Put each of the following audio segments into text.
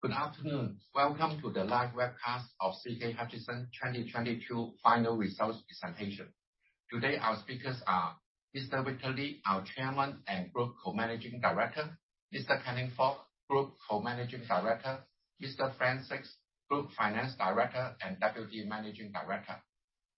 Good afternoon. Welcome to the live webcast of CK Hutchison 2022 final results presentation. Today our speakers are Mr. Victor Li, our Chairman and Group Co-Managing Director, Mr. Kenneth Fok, Group Co-Managing Director, Mr. Frank Sixt, Group Finance Director and Deputy Managing Director.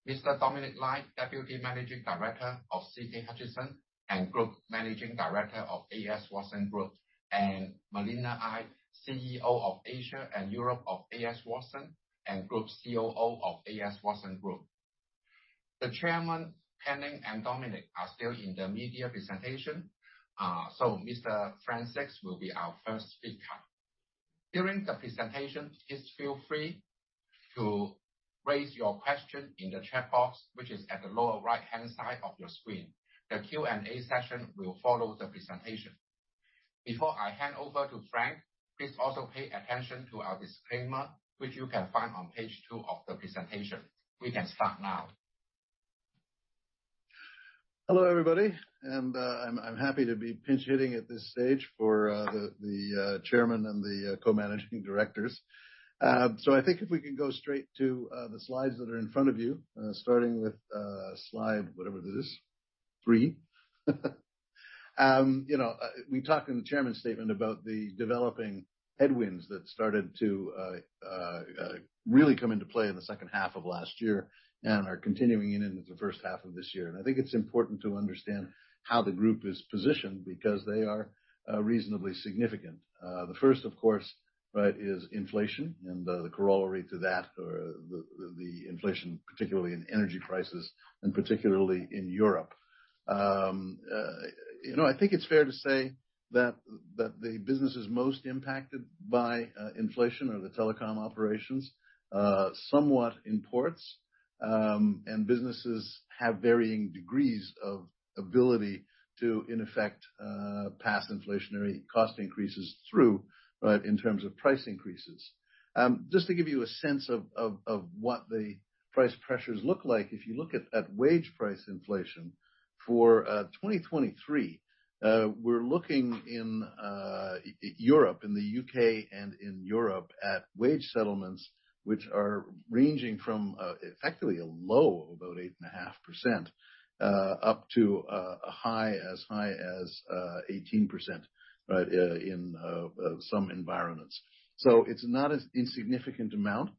Mr. Dominic Lai, Deputy Managing Director of CK Hutchison and Group Managing Director of A.S. Watson Group, and Malina Ngai, CEO of Asia and Europe of A.S. Watson and Group COO of A.S. Watson Group. The Chairman, Kenneth and Dominic are still in the media presentation. Mr. Frank Sixt will be our first speaker. During the presentation, please feel free to raise your question in the chat box, which is at the lower right-hand side of your screen. The Q&A session will follow the presentation. Before I hand over to Frank, please also pay attention to our disclaimer, which you can find on page two of the presentation. We can start now. Hello, everybody, I'm happy to be pinch-hitting at this stage for the chairman and the co-managing directors. I think if we can go straight to the slides that are in front of you, starting with slide, whatever it is, 3. You know, we talked in the chairman's statement about the developing headwinds that started to really come into play in the H2 of last year and are continuing into the H1 of this year. I think it's important to understand how the group is positioned because they are reasonably significant. The first, of course, right, is inflation and the corollary to that or the inflation, particularly in energy prices and particularly in Europe. You know, I think it's fair to say that the businesses most impacted by inflation are the telecom operations, somewhat in ports, and businesses have varying degrees of ability to in effect, pass inflationary cost increases through, right, in terms of price increases. Just to give you a sense of what the price pressures look like, if you look at wage price inflation for 2023, we're looking in Europe, in the UK and in Europe at wage settlements, which are ranging from effectively a low of about 8.5%, up to a high as high as 18%, right, in some environments. It's not an insignificant amount.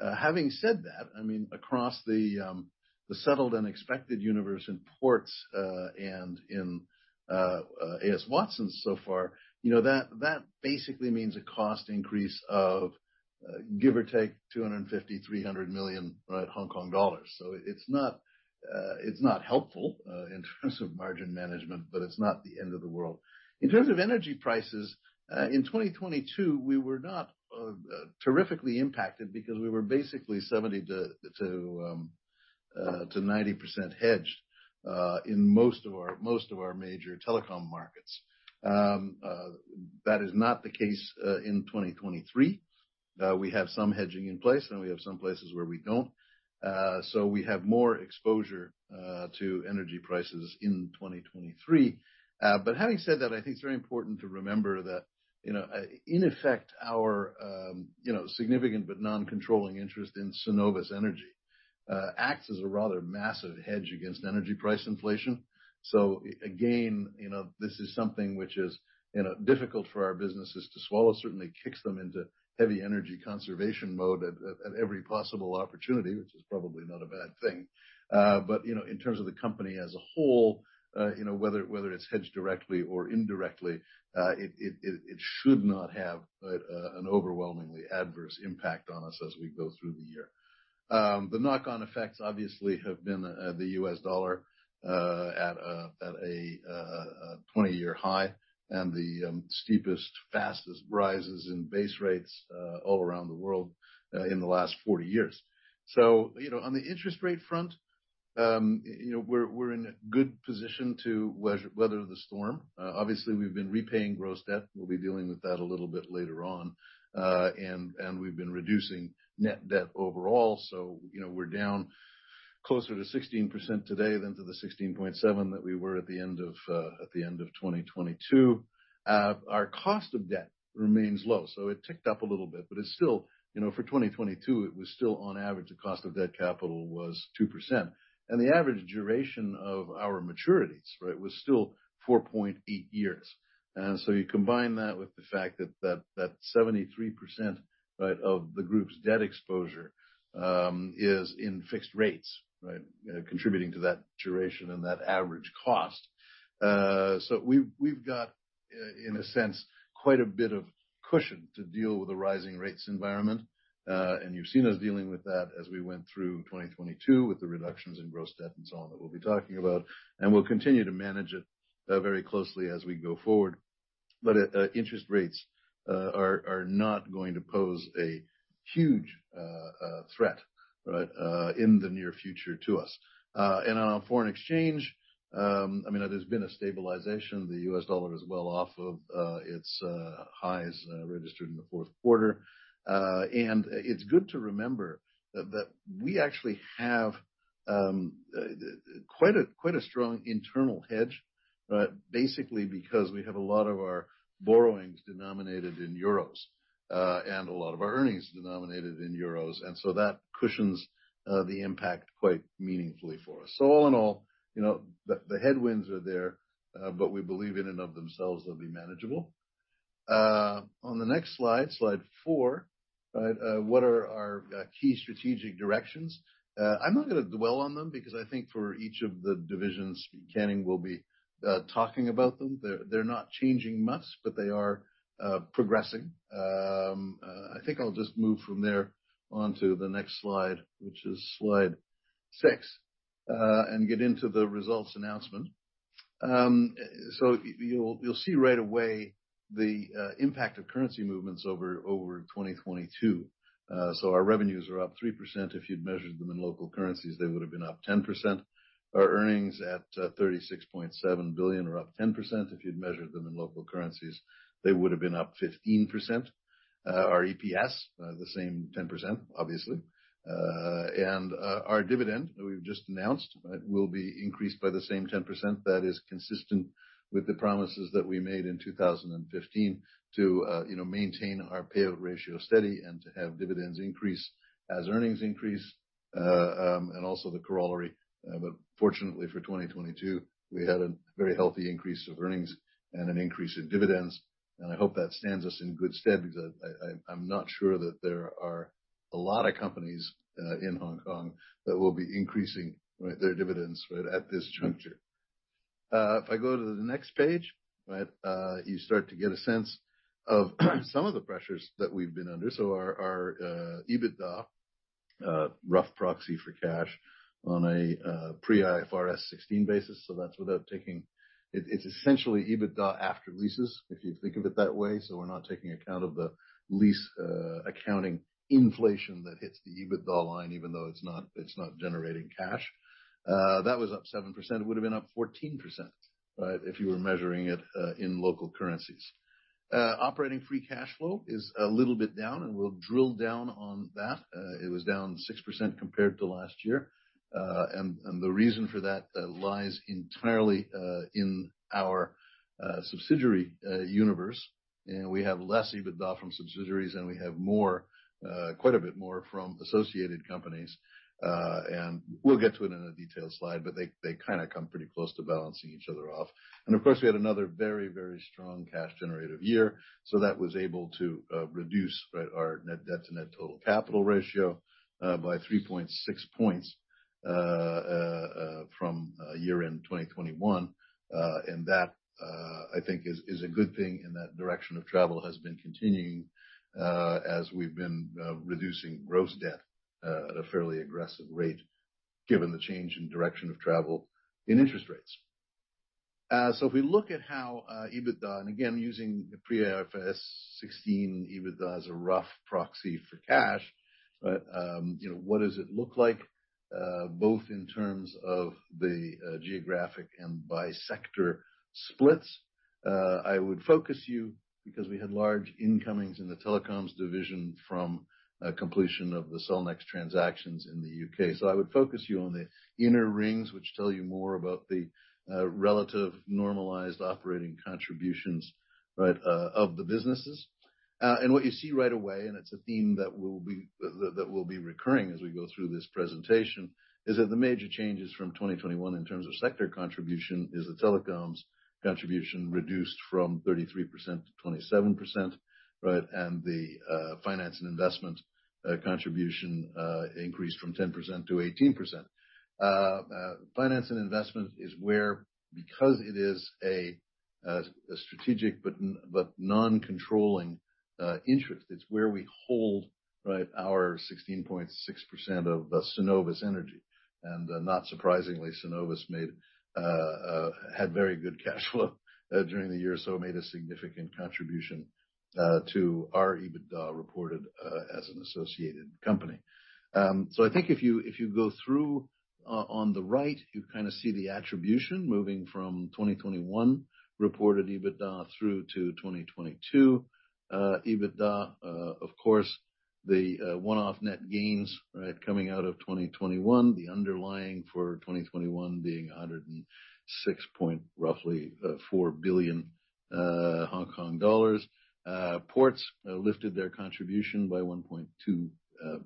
Having said that, across the settled and expected universe in ports and in A.S. Watson so far, that basically means a cost increase of give or take 250 million-300 million Hong Kong dollars. It's not helpful in terms of margin management, but it's not the end of the world. In terms of energy prices, in 2022, we were not terrifically impacted because we were basically 70%-90% hedged in most of our major telecom markets. That is not the case in 2023. We have some hedging in place and we have some places where we don't. We have more exposure to energy prices in 2023. Having said that, I think it's very important to remember that, you know, in effect, our, you know, significant but non-controlling interest in Cenovus Energy acts as a rather massive hedge against energy price inflation. Again, you know, this is something which is, you know, difficult for our businesses to swallow. Certainly kicks them into heavy energy conservation mode at every possible opportunity, which is probably not a bad thing. You know, in terms of the company as a whole, you know, whether it's hedged directly or indirectly, it, it should not have an overwhelmingly adverse impact on us as we go through the year. The knock-on effects obviously have been the US dollar at a 20-year high and the steepest, fastest rises in base rates all around the world in the last 40 years. You know, on the interest rate front, you know, we're in a good position to weather the storm. Obviously we've been repaying gross debt. We'll be dealing with that a little bit later on. And we've been reducing net debt overall. You know, we're down closer to 16% today than to the 16.7% that we were at the end of 2022. Our cost of debt remains low, so it ticked up a little bit, but it's still, you know, for 2022, it was still on average, the cost of debt capital was 2%. The average duration of our maturities, right, was still 4.8 years. You combine that with the fact that 73%, right, of the group's debt exposure is in fixed rates, right? You know, contributing to that duration and that average cost. So we've got in a sense, quite a bit of cushion to deal with the rising rates environment. You've seen us dealing with that as we went through 2022 with the reductions in gross debt and so on, that we'll be talking about, and we'll continue to manage it very closely as we go forward. Interest rates are not going to pose a huge threat, right, in the near future to us. And on foreign exchange, I mean, there's been a stabilization. The US dollar is well off of its highs registered in the Q4. And it's good to remember that we actually have quite a strong internal hedge. Basically because we have a lot of our borrowings denominated in euros, and a lot of our earnings denominated in euros, and so that cushions the impact quite meaningfully for us. All in all, you know, the headwinds are there, but we believe in and of themselves they'll be manageable. On the next slide 4, right, what are our key strategic directions? I'm not gonna dwell on them because I think for each of the divisions, Canning will be talking about them. They're not changing much, but they are progressing. I think I'll just move from there onto the next slide, which is slide 6, and get into the results announcement. You'll see right away the impact of currency movements over 2022. Our revenues are up 3%. If you'd measured them in local currencies, they would've been up 10%. Our earnings at 36.7 billion are up 10%. If you'd measured them in local currencies, they would've been up 15%. Our EPS, the same 10%, obviously. Our dividend that we've just announced will be increased by the same 10%. That is consistent with the promises that we made in 2015 to, you know, maintain our payout ratio steady and to have dividends increase as earnings increase, and also the corollary. Fortunately for 2022, we had a very healthy increase of earnings and an increase in dividends, and I hope that stands us in good stead because I'm not sure that there are a lot of companies in Hong Kong that will be increasing, right, their dividends, right, at this juncture. If I go to the next page, right, you start to get a sense of some of the pressures that we've been under. Our EBITDA, rough proxy for cash on a pre-IFRS 16 basis, so that's without taking. It's essentially EBITDA after leases, if you think of it that way, we're not taking account of the lease accounting inflation that hits the EBITDA line, even though it's not generating cash. That was up 7%. It would've been up 14%, right, if you were measuring it in local currencies. Operating free cash flow is a little bit down, we'll drill down on that. It was down 6% compared to last year. The reason for that lies entirely in our subsidiary universe. You know, we have less EBITDA from subsidiaries, and we have more, quite a bit more from associated companies. We'll get to it in a detailed slide, but they kinda come pretty close to balancing each other off. Of course, we had another very, very strong cash generative year. That was able to reduce, right, our net debt to net total capital ratio by 3.6 points from year-end 2021. That, I think is a good thing, and that direction of travel has been continuing as we've been reducing gross debt at a fairly aggressive rate, given the change in direction of travel in interest rates. If we look at how EBITDA, and again, using the pre-IFRS 16 EBITDA as a rough proxy for cash, right, you know, what does it look like both in terms of the geographic and by sector splits? I would focus you, because we had large incomings in the telecoms division from completion of the Cellnex transactions in the UK. I would focus you on the inner rings, which tell you more about the relative normalized operating contributions, right, of the businesses. What you see right away, and it's a theme that will be recurring as we go through this presentation, is that the major changes from 2021 in terms of sector contribution is the telecoms contribution reduced from 33% to 27%, right, and the finance and investment contribution increased from 10% to 18%. Finance and investment is where, because it is a strategic but non-controlling interest, it's where we hold, right, our 16.6% of Cenovus Energy. Not surprisingly, Cenovus made had very good cash flow during the year, so it made a significant contribution to our EBITDA reported as an associated company. I think if you, if you go through on the right, you kinda see the attribution moving from 2021 reported EBITDA through to 2022 EBITDA. Of course, the one-off net gains, right, coming out of 2021, the underlying for 2021 being 106.4 billion Hong Kong dollars, roughly. Ports lifted their contribution by 1.2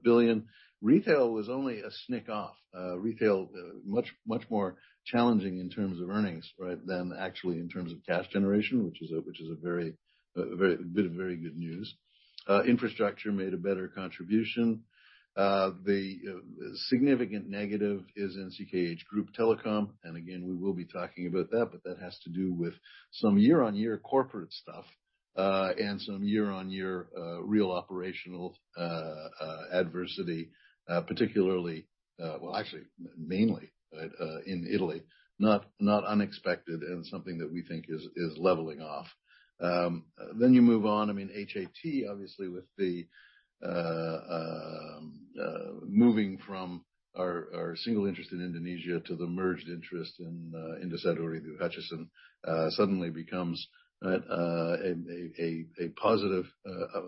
billion. Retail was only a snick off. Retail much more challenging in terms of earnings, right, than actually in terms of cash generation, which is a very bit of very good news. Infrastructure made a better contribution. The significant negative is CKH Group Telecom, and again, we will be talking about that, but that has to do with some year-on-year corporate stuff and some year-on-year real operational adversity, particularly, well, actually mainly in Italy. Not unexpected, and something that we think is leveling off. You move on. I mean, HAT, obviously, with the moving from our single interest in Indonesia to the merged interest in Indosat Ooredoo Hutchison, suddenly becomes a positive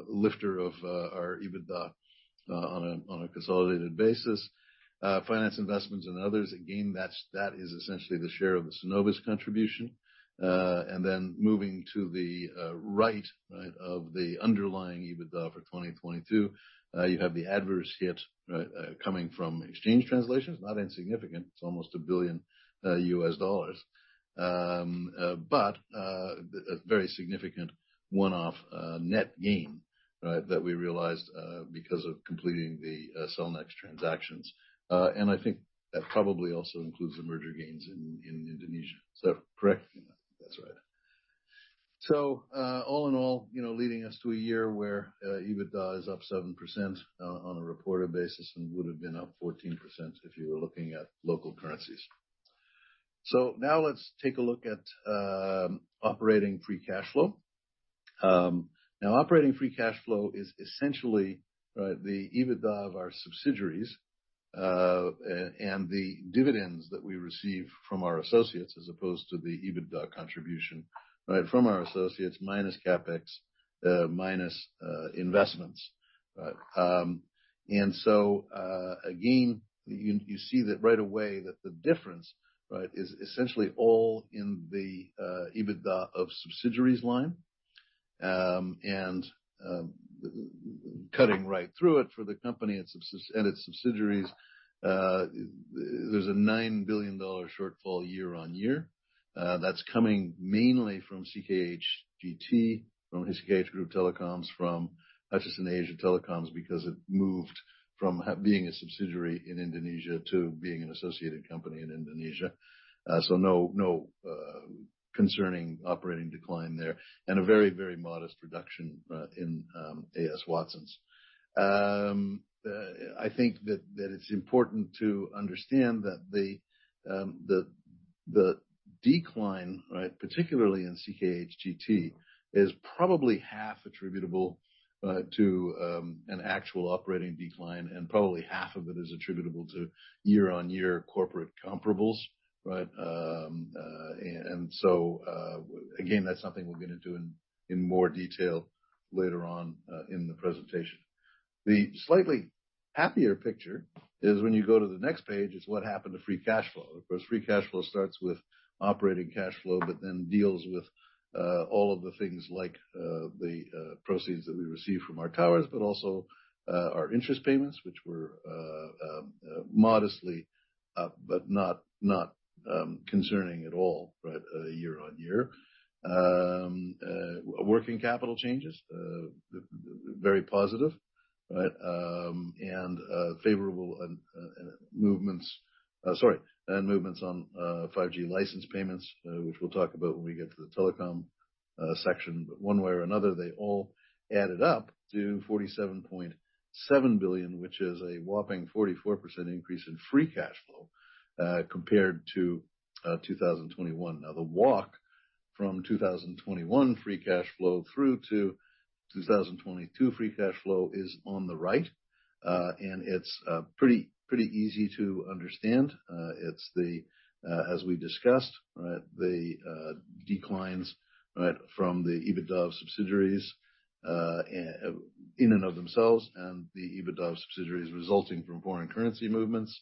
lifter of our EBITDA on a consolidated basis. Finance investments and others, again, that is essentially the share of the Cenovus contribution. Then moving to the right of the underlying EBITDA for 2022, you have the adverse hit coming from exchange translations. Not insignificant. It's almost $1 billion. A very significant one-off net gain that we realized because of completing the Cellnex transactions. I think that probably also includes the merger gains in Indonesia. Is that correct? That's right. All in all, you know, leading us to a year where EBITDA is up 7% on a reported basis and would have been up 14% if you were looking at local currencies. Now let's take a look at operating free cash flow. Now operating free cash flow is essentially, right, the EBITDA of our subsidiaries and the dividends that we receive from our associates as opposed to the EBITDA contribution, right? From our associates minus CapEx minus investments. Again, you see that right away that the difference, right? Is essentially all in the EBITDA of subsidiaries line. Cutting right through it for the company and its subsidiaries, there's a 9 billion dollar shortfall year-on-year. That's coming mainly from CKHGT, from CKH Group Telecoms, from Hutchison Asia Telecoms, because it moved from being a subsidiary in Indonesia to being an associated company in Indonesia. So no concerning operating decline there and a very modest reduction in A.S. Watson's. I think that it's important to understand that the decline, right, particularly in CKHGT, is probably half attributable to an actual operating decline, and probably half of it is attributable to year-on-year corporate comparables, right? Again, that's something we'll get into in more detail later on in the presentation. The slightly happier picture is when you go to the next page, it's what happened to free cash flow. Of course, free cash flow starts with operating cash flow, then deals with all of the things like the proceeds that we receive from our towers, but also our interest payments, which were modestly, but not concerning at all, right, year-on-year. Working capital changes, very positive, right, and favorable movements. Sorry. Movements on 5G license payments, which we'll talk about when we get to the telecom section. One way or another, they all added up to 47.7 billion, which is a whopping 44% increase in free cash flow, compared to 2021. The walk from 2021 free cash flow through to 2022 free cash flow is on the right. Uh, and it's, uh, pretty, pretty easy to understand. Uh, it's the, uh, as we discussed, right, the, uh, declines, right, from the EBITDA of subsidiaries, uh, in and of themselves, and the EBITDA of subsidiaries resulting from foreign currency movements.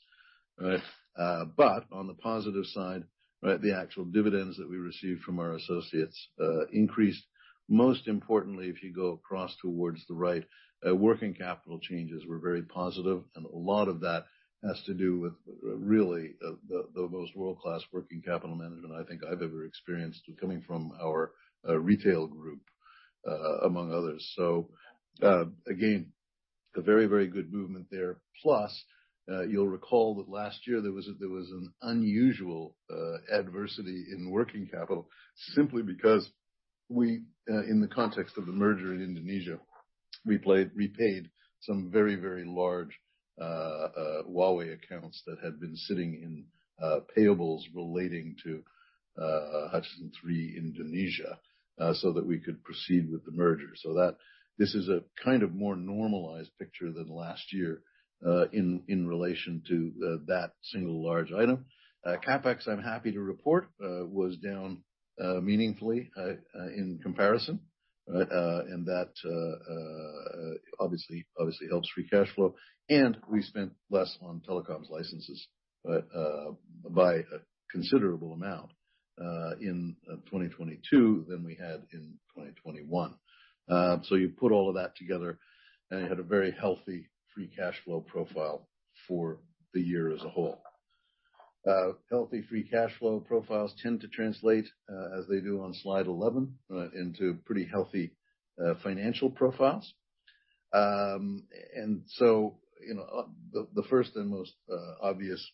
Uh, but on the positive side, right? The actual dividends that we received from our associates, uh, increased. Most importantly, if you go across towards the right, uh, working capital changes were very positive, and a lot of that has to do with, uh, really the, the, the most world-class working capital management I think I've ever experienced coming from our, uh, retail group, uh, among others. So, uh, again, a very, very good movement there. Plus, you'll recall that last year there was an unusual adversity in working capital simply because we, in the context of the merger in Indonesia, repaid some very large Huawei accounts that had been sitting in payables relating to Hutchison 3 Indonesia so that we could proceed with the merger. So that this is a kind of more normalized picture than last year, in relation to that single large item. CapEx, I'm happy to report, was down meaningfully in comparison. That obviously helps free cash flow. We spent less on telecoms licenses by a considerable amount in 2022 than we had in 2021. You put all of that together, and you had a very healthy free cash flow profile for the year as a whole. Healthy free cash flow profiles tend to translate, as they do on slide 11, into pretty healthy financial profiles. You know, the first and most obvious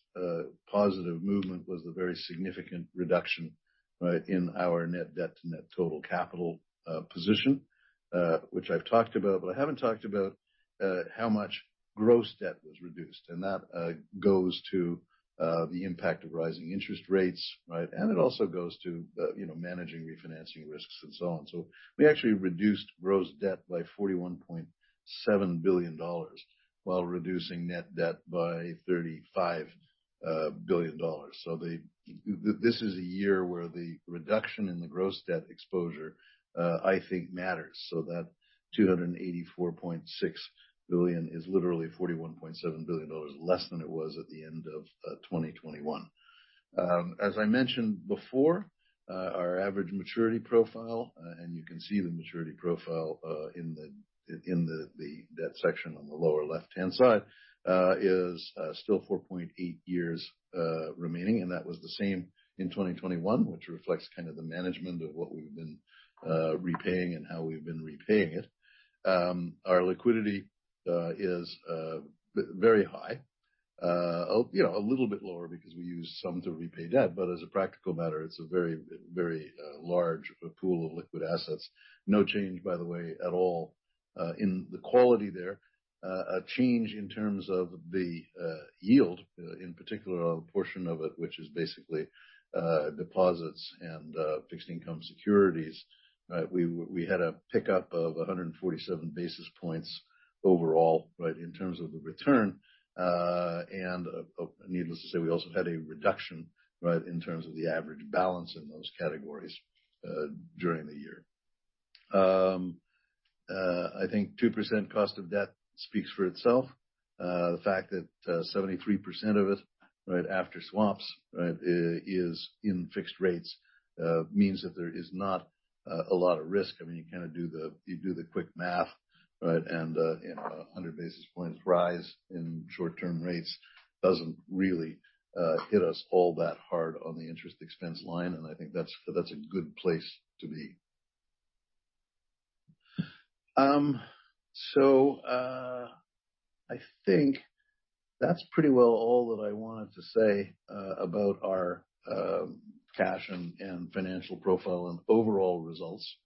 positive movement was the very significant reduction, right, in our net debt to net total capital position, which I've talked about, but I haven't talked about how much gross debt was reduced, and that goes to the impact of rising interest rates, right? It also goes to, you know, managing refinancing risks and so on. We actually reduced gross debt by 41.7 billion dollars while reducing net debt by 35 billion dollars. This is a year where the reduction in the gross debt exposure, I think matters. That 284.6 billion is literally 41.7 billion dollars less than it was at the end of 2021. As I mentioned before, our average maturity profile, and you can see the maturity profile in the That section on the lower left-hand side, is still 4.8 years remaining, and that was the same in 2021, which reflects kind of the management of what we've been repaying and how we've been repaying it. Our liquidity is very high. You know, a little bit lower because we use some to repay debt, but as a practical matter, it's a very, very large pool of liquid assets. No change, by the way, at all, in the quality there. A change in terms of the yield, in particular a portion of it, which is basically deposits and fixed income securities. We had a pickup of 147 basis points overall, right, in terms of the return. Needless to say, we also had a reduction, right, in terms of the average balance in those categories, during the year. I think 2% cost of debt speaks for itself. The fact that 73% of it, right, after swaps, right, is in fixed rates, means that there is not a lot of risk. I mean, you do the quick math, right? You know, 100 basis points rise in short-term rates doesn't really hit us all that hard on the interest expense line. I think that's a good place to be. I think that's pretty well all that I wanted to say about our cash and financial profile and overall results.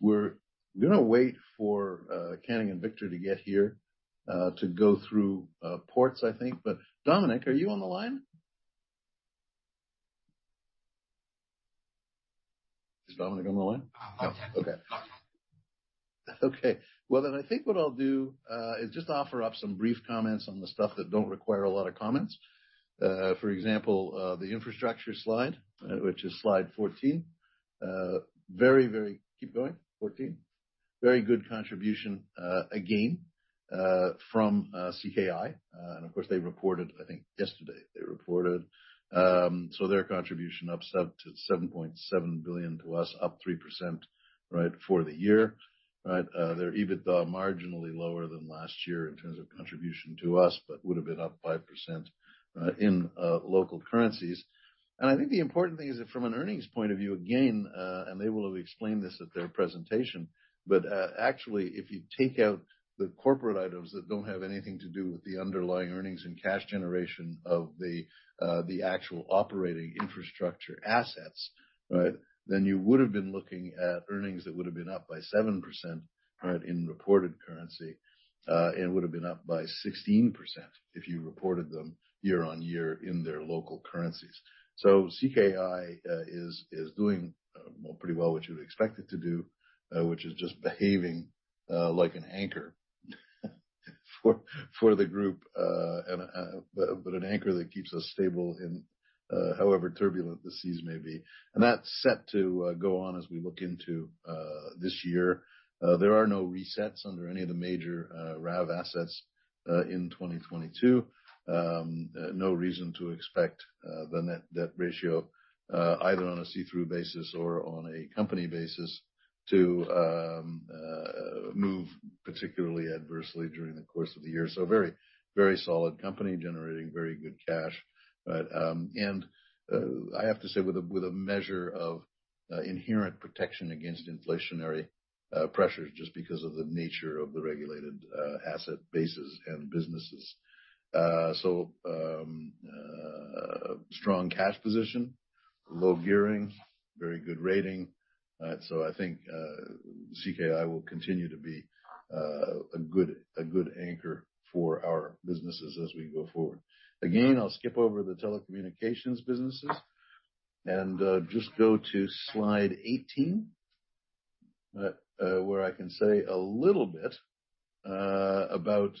We're, we're gonna wait for Canning and Victor to get here to go through ports, I think. Dominic, are you on the line? Is Dominic on the line? Oh, okay. Okay. Okay. Well, I think what I'll do is just offer up some brief comments on the stuff that don't require a lot of comments. For example, the infrastructure slide, which is slide 14. Keep going. 14. Very good contribution again from CKI, and of course, they reported, I think yesterday, they reported. Their contribution up to 7.7 billion to us, up 3% right, for the year. Right. Their EBITDA marginally lower than last year in terms of contribution to us, but would have been up 5% in local currencies. I think the important thing is that from an earnings point of view, again, actually, if you take out the corporate items that don't have anything to do with the underlying earnings and cash generation of the actual operating infrastructure assets, right, then you would have been looking at earnings that would have been up by 7%, right, in reported currency, and would have been up by 16% if you reported them year-over-year in their local currencies. CKI is doing well, pretty well what you would expect it to do, which is just behaving like an anchor for the group, but anchor that keeps us stable in however turbulent the seas may be. That's set to go on as we look into this year. There are no resets under any of the major RAV assets in 2022. No reason to expect the net debt ratio, either on a see-through basis or on a company basis to move particularly adversely during the course of the year. Very, very solid company generating very good cash. And, I have to say with a measure of inherent protection against inflationary pressures just because of the nature of the regulated asset bases and businesses. Strong cash position, low gearing, very good rating. I think CKI will continue to be a good, a good anchor for our businesses as we go forward. I'll skip over the telecommunications businesses and just go to slide 18, where I can say a little bit about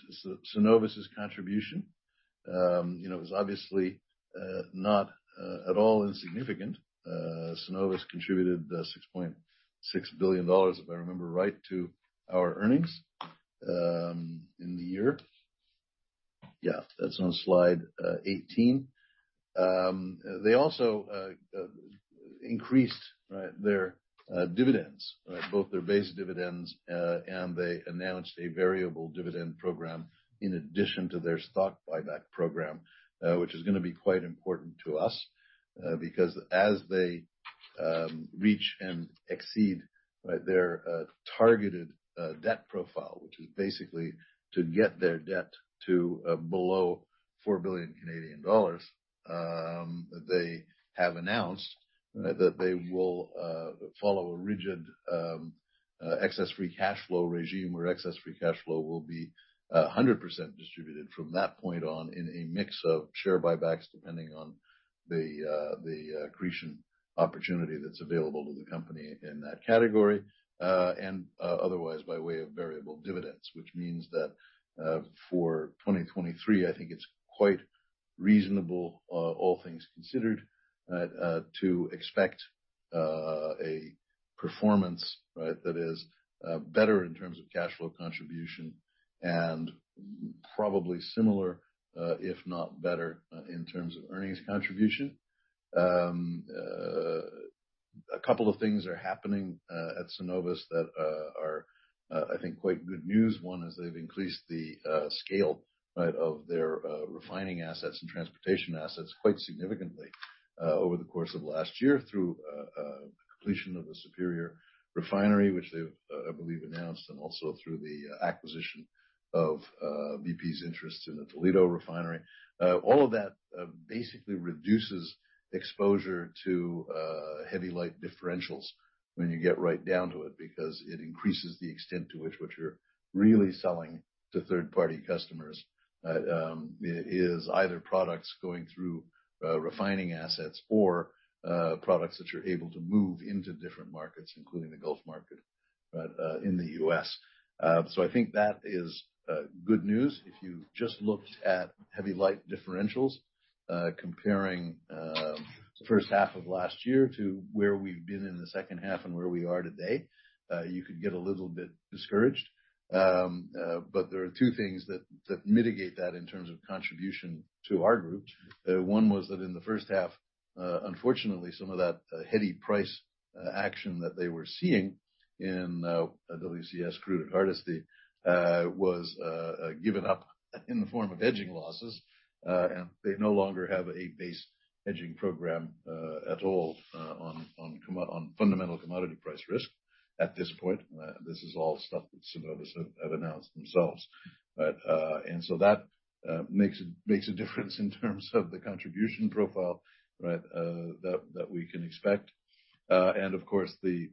Cenovus's contribution. You know, it was obviously not at all insignificant. Cenovus contributed 6.6 billion dollars, if I remember right, to our earnings in the year. That's on slide 18. They also increased, right, their dividends, right? Both their base dividends and they announced a variable dividend program in addition to their stock buyback program, which is gonna be quite important to us, because as they reach and exceed, right, their targeted debt profile. Which is basically to get their debt to below 4 billion Canadian dollars, they have announced that they will follow a rigid excess free cash flow regime, where excess free cash flow will be 100% distributed from that point on in a mix of share buybacks, depending on the accretion opportunity that's available to the company in that category. Otherwise by way of variable dividends, which means that for 2023, I think it's quite reasonable, all things considered, to expect a performance, right, that is better in terms of cash flow contribution and probably similar, if not better, in terms of earnings contribution. A couple of things are happening at Cenovus that are I think quite good news. One is they've increased the scale, right, of their refining assets and transportation assets quite significantly over the course of last year through completion of the Superior Refinery, which they've I believe announced, and also through the acquisition of BP's interest in the Toledo Refinery. All of that basically reduces exposure to heavy light differentials when you get right down to it, because it increases the extent to which, what you're really selling to third-party customers, is either products going through refining assets or products that you're able to move into different markets, including the Gulf market in the US I think that is good news. If you've just looked at heavy light differentials, comparing H1 of last year to where we've been in the H2 and where we are today, you could get a little bit discouraged. There are two things that mitigate that in terms of contribution to our group. One was that in the H1, unfortunately, some of that heady price action that they were seeing in WCS crude at Hardisty, was given up in the form of hedging losses. They no longer have a base hedging program at all on fundamental commodity price risk at this point. This is all stuff that Cenovus have announced themselves. that makes a difference in terms of the contribution profile, right, that we can expect. Of course, the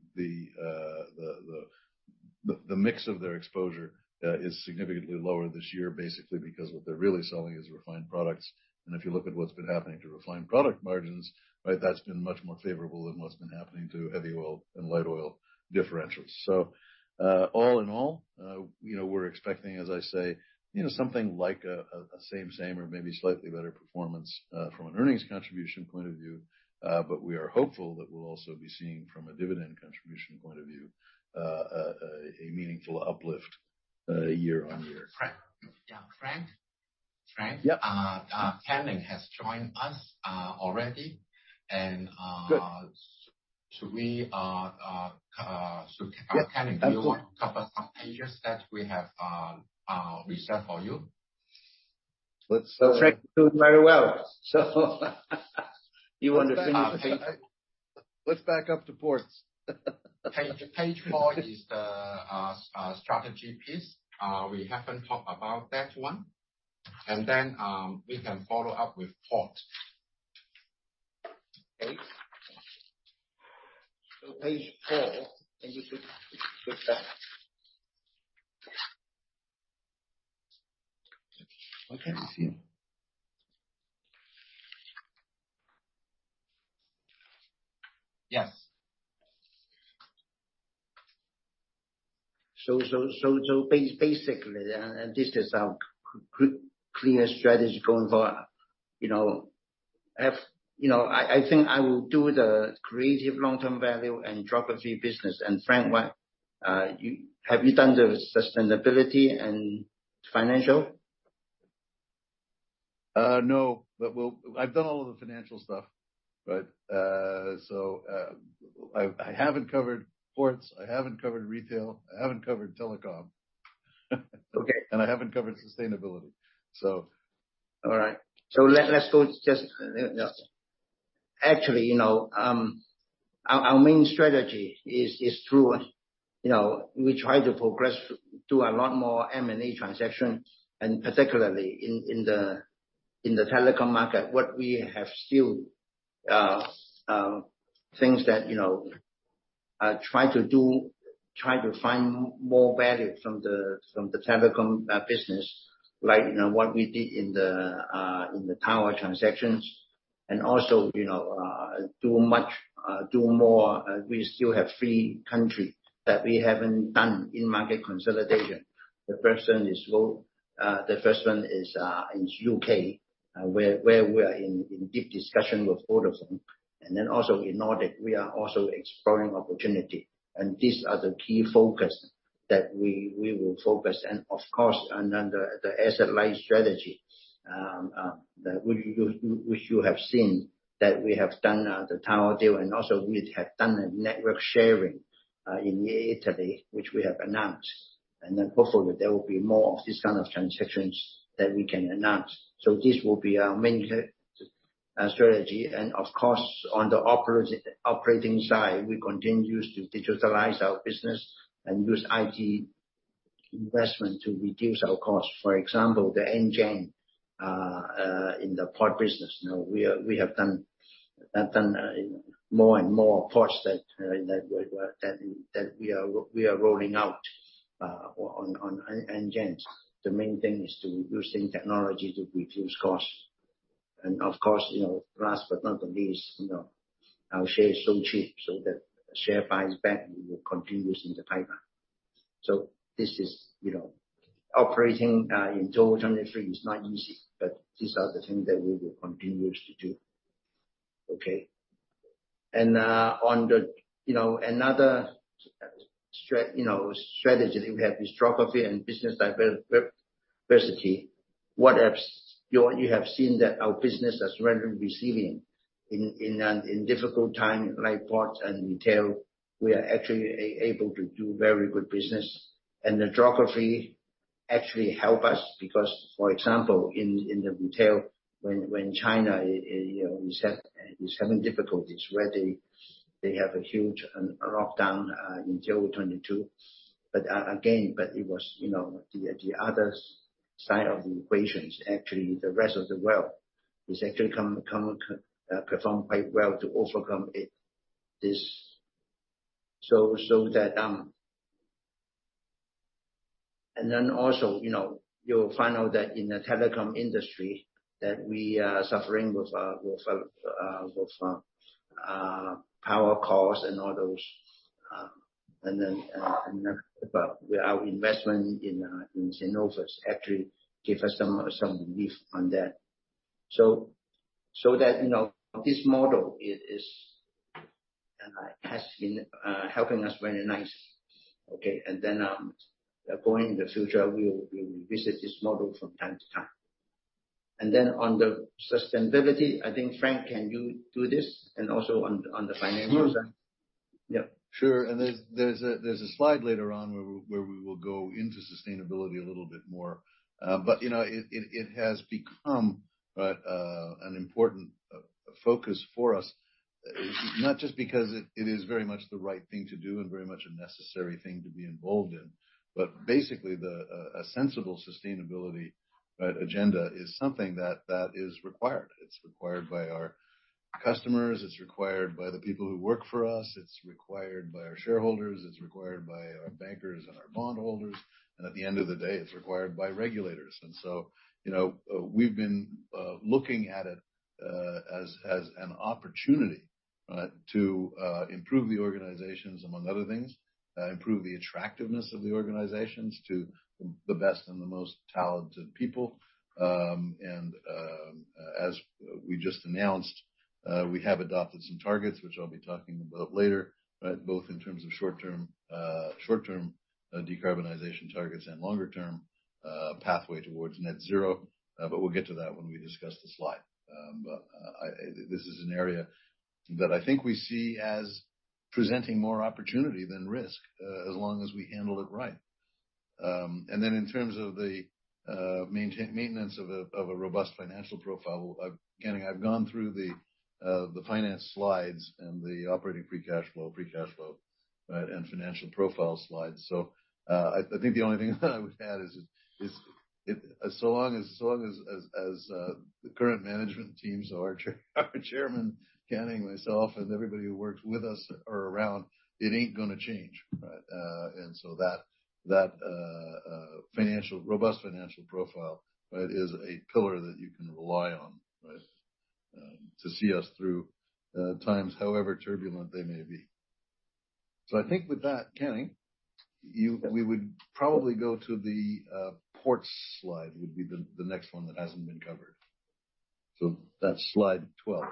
mix of their exposure is significantly lower this year, basically because what they're really selling is refined products. If you look at what's been happening to refined product margins, right, that's been much more favorable than what's been happening to heavy oil and light oil differentials. All in all, you know, we're expecting, as I say, you know, something like a same-same or maybe slightly better performance from an earnings contribution point of view. We are hopeful that we'll also be seeing from a dividend contribution point of view, a meaningful uplift year on year. Frank? Yeah. Frank? Yeah. Ken has joined us already. Good. Should we? Yeah. Of course. Ken, do you want to cover some pages that we have reserved for you? Let's. Frank doing very well. You wanna finish. Let's back up to ports. Page 4 is the strategy piece. We haven't talked about that one. We can follow up with ports. Page 4, can you just switch that? Okay. Yes. Basically, this is our clear strategy going forward. You know, I think I will do the creative long-term value and geography business. Frank, what have you done the sustainability and financial? No. I've done all of the financial stuff, but I haven't covered ports, I haven't covered retail, I haven't covered telecom. Okay. I haven't covered sustainability, so. All right. Let's go just. Actually, you know, our main strategy is through, you know, we try to progress, do a lot more M&A transactions, and particularly in the telecom market. What we have still, things that, you know, try to do, try to find more value from the telecom business. Like, you know, what we did in the tower transactions. Also, you know, do much, do more. We still have 3 country that we haven't done in market consolidation. The first one is the first one is UK where we are in deep discussion with Vodafone. Also in Nordic, we are also exploring opportunity. These are the key focus that we will focus. Of course, then the asset-light strategy that you have seen, that we have done the tower deal and also we have done a network sharing in Italy, which we have announced. Hopefully, there will be more of this kind of transactions that we can announce. This will be our main strategy. Of course, on the operating side, we continue to digitalize our business and use IT investment to reduce our costs. For example, the NGen in the port business. You know, we have done more and more ports that we are rolling out on NGen. The main thing is to using technology to reduce costs. Of course, you know, last but not the least, you know, our share is so cheap, so the share buys back, we will continuous in the pipeline. This is, you know, operating in 2023 is not easy, but these are the things that we will continue to do. Okay? On the, you know, another you know, strategy that we have is geography and business diversity. What else you have seen that our business has rendered resilient in a difficult time, like ports and retail, we are actually able to do very good business. The geography actually help us because, for example, in the retail, when China you know, is having difficulties where they have a huge lockdown in Q2 '22. Again, but it was, you know, the other side of the equations, actually, the rest of the world is actually come perform quite well to overcome it. This. That. Also, you know, you'll find out that in the telecom industry that we are suffering with power costs and all those, and then, but our investment in Cenovus actually give us some relief on that. That, you know, this model is has been helping us very nice, okay. Going in the future, we will revisit this model from time to time. On the sustainability, I think, Frank, can you do this? Also on the financial side. Sure. Yeah. Sure. There's a slide later on where we will go into sustainability a little bit more. You know, it has become an important focus for us, not just because it is very much the right thing to do and very much a necessary thing to be involved in. Basically the a sensible sustainability agenda is something that is required. It's required by our customers, it's required by the people who work for us, it's required by our shareholders, it's required by our bankers and our bondholders, and at the end of the day, it's required by regulators. You know, we've been looking at it as an opportunity to improve the organizations among other things, improve the attractiveness of the organizations to the best and the most talented people. As we just announced, we have adopted some targets, which I'll be talking about later, but both in terms of short-term decarbonization targets and longer-term pathway towards net zero. We'll get to that when we discuss the slide. This is an area that I think we see as presenting more opportunity than risk, as long as we handle it right. Then in terms of the maintenance of a robust financial profile, Kenny, I've gone through the finance slides and the operating free cash flow, right? Financial profile slides. I think the only thing that I would add is so long as the current management teams, our chairman, Kenny, myself, and everybody who works with us are around, it ain't gonna change, right? That robust financial profile, right, is a pillar that you can rely on, right? To see us through times however turbulent they may be. I think with that, Kenny, we would probably go to the ports slide, would be the next one that hasn't been covered. That's slide 12.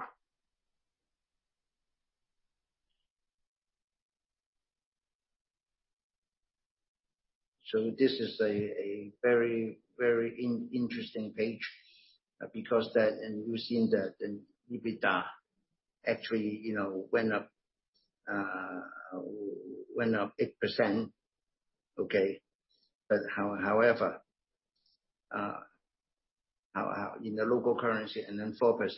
This is a very, very interesting page because that, and you've seen that in EBITDA, actually, you know, went up 8%. Okay? However, in the local currency and then 4%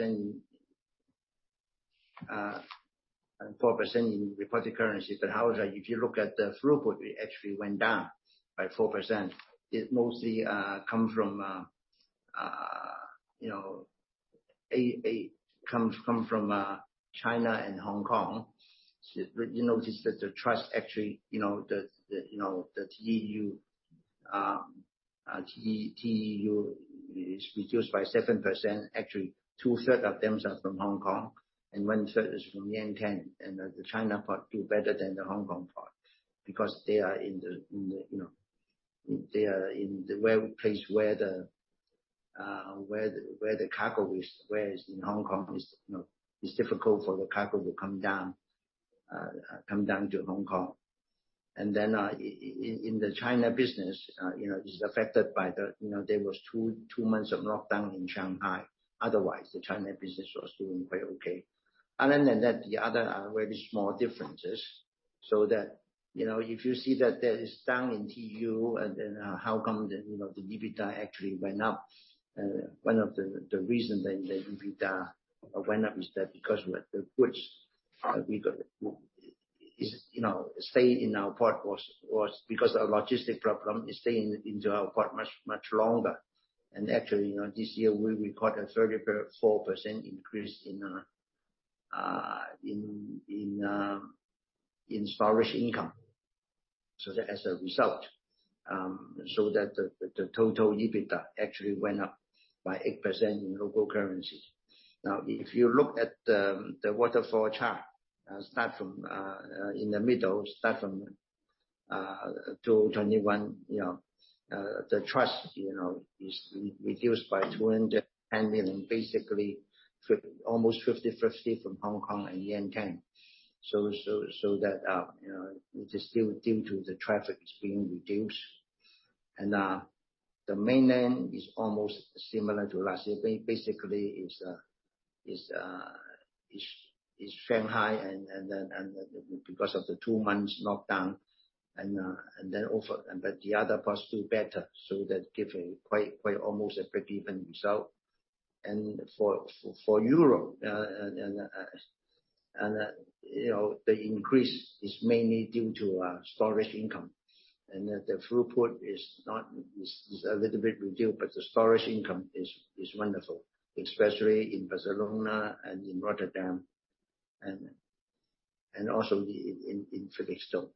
and 4% in reported currency. How is that? If you look at the throughput, it actually went down by 4%. It mostly come from, you know, China and Hong Kong. You notice that the trust actually, you know, the TEU is reduced by 7%. Actually, two-third of them are from Hong Kong, and one-third is from Yantian. The China port do better than the Hong Kong port because they are in the, you know, they are in the where place where the cargo is. Whereas in Hong Kong it's, you know, it's difficult for the cargo to come down to Hong Kong. In the China business, you know, is affected by the, you know, there was 2 months of lockdown in Shanghai. Otherwise, the China business was doing quite okay. Other than that, the other are very small differences, so that, you know, if you see that there is down in TEU and then how come the, you know, the EBITDA actually went up. One of the reason then the EBITDA went up is that because the goods we got is, you know, stay in our port was because our logistic problem is staying into our port much, much longer. Actually, you know, this year we recorded 34% increase in storage income. That as a result, that the total EBITDA actually went up by 8% in local currency. Now, if you look at the waterfall chart, start from in the middle, start from 2021, you know, the trust, you know, is reduced by 200 million, basically almost 50/50 from Hong Kong and Yantian. That, you know, which is still due to the traffic is being reduced. The mainland is almost similar to last year. Basically it's Shanghai and then because of the 2 months lockdown. The other parts do better, so that give a quite almost a pretty even result. For Euro, and you know, the increase is mainly due to storage income. The throughput is not, is a little bit reduced, but the storage income is wonderful, especially in Barcelona and in Rotterdam and also in Felixstowe.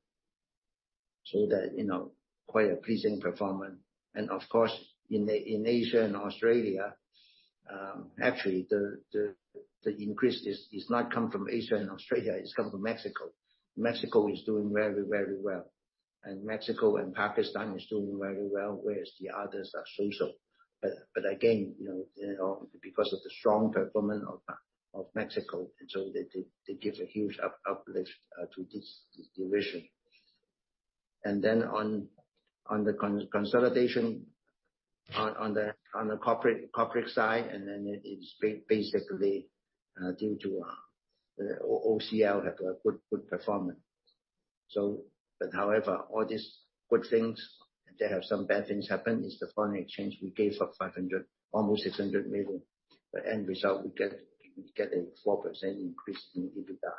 That, you know, quite a pleasing performance. Of course, in Asia and Australia, actually the increase is not come from Asia and Australia, it's come from Mexico. Mexico is doing very well. Mexico and Pakistan is doing very well, whereas the others are so-so. Again, you know, you know, because of the strong performance of Mexico, and so they give a huge uplift to this division. On the consolidation on the corporate side, it is basically due to OCL had a good performance. However, all these good things, they have some bad things happen is the foreign exchange we gave up 500 million, almost 600 million. The end result we get a 4% increase in EBITDA.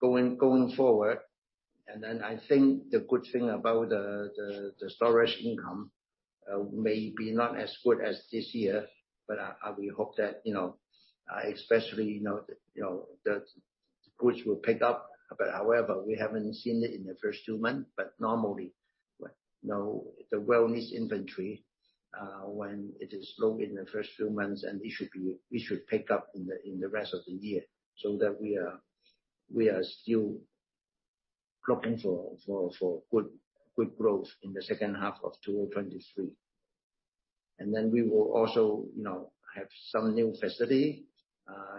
Going forward, I think the good thing about the storage income may be not as good as this year, but we hope that, you know, especially, you know, the goods will pick up. However, we haven't seen it in the first 2 months. Normally, you know, the wellness inventory, when it is low in the first few months and it should pick up in the rest of the year, we are still cropping for good growth in the H2 of 2023. We will also, you know, have some new facility,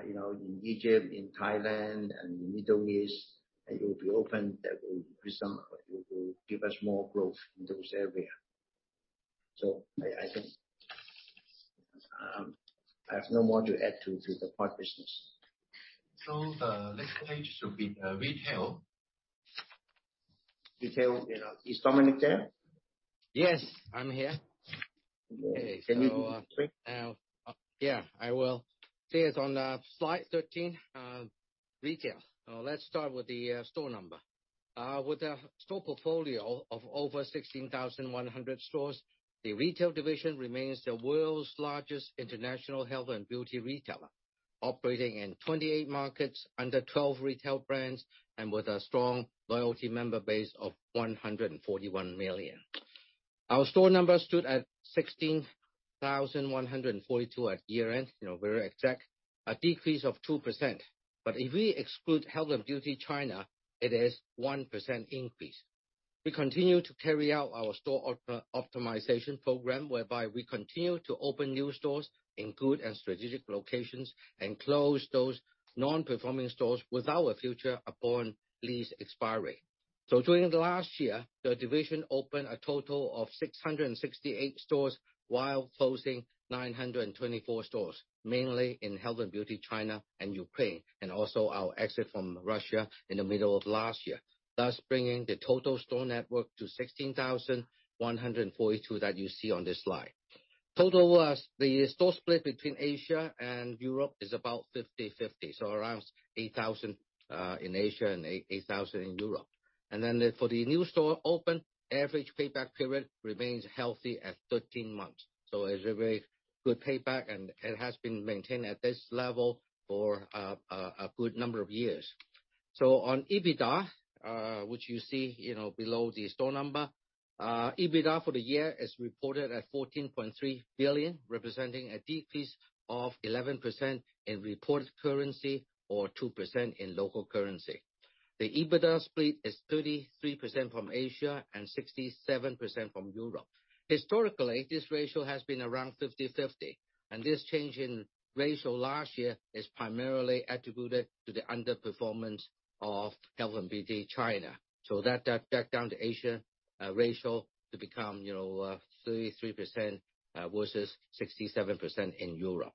you know, in Egypt, in Thailand and in Middle East, and it will be open. That will give us more growth in those area. I think I have no more to add to the port business. Next page should be retail. Retail. Is Dominic there? Yes, I'm here. Can you- Now. I will say it on slide 13, retail. Let's start with the store number. With a store portfolio of over 16,100 stores, the retail division remains the world's largest international Health and Beauty retailer. Operating in 28 markets under 12 retail brands and with a strong loyalty member base of 141 million. Our store numbers stood at 16,142 at year-end, you know, very exact. A decrease of 2%. If we exclude Health and Beauty China, it is 1% increase. We continue to carry out our store optimization program, whereby we continue to open new stores in good and strategic locations and close those non-performing stores without a future upon lease expiry. During the last year, the division opened a total of 668 stores while closing 924 stores, mainly in Health and Beauty China and Ukraine, our exit from Russia in the middle of last year. Thus bringing the total store network to 16,142 that you see on this slide. The store split between Asia and Europe is about 50/50, around 8,000 in Asia and 8,000 in Europe. For the new store open, average payback period remains healthy at 13 months. It's a very good payback and it has been maintained at this level for a good number of years. On EBITDA, which you see, you know, below the store number. EBITDA for the year is reported at HKD 14.3 billion, representing a decrease of 11% in reported currency or 2% in local currency. The EBITDA split is 33% from Asia and 67% from Europe. Historically, this ratio has been around 50/50, and this change in ratio last year is primarily attributed to the underperformance of Health and Beauty China. That down to Asia, ratio to become, you know, 33% versus 67% in Europe.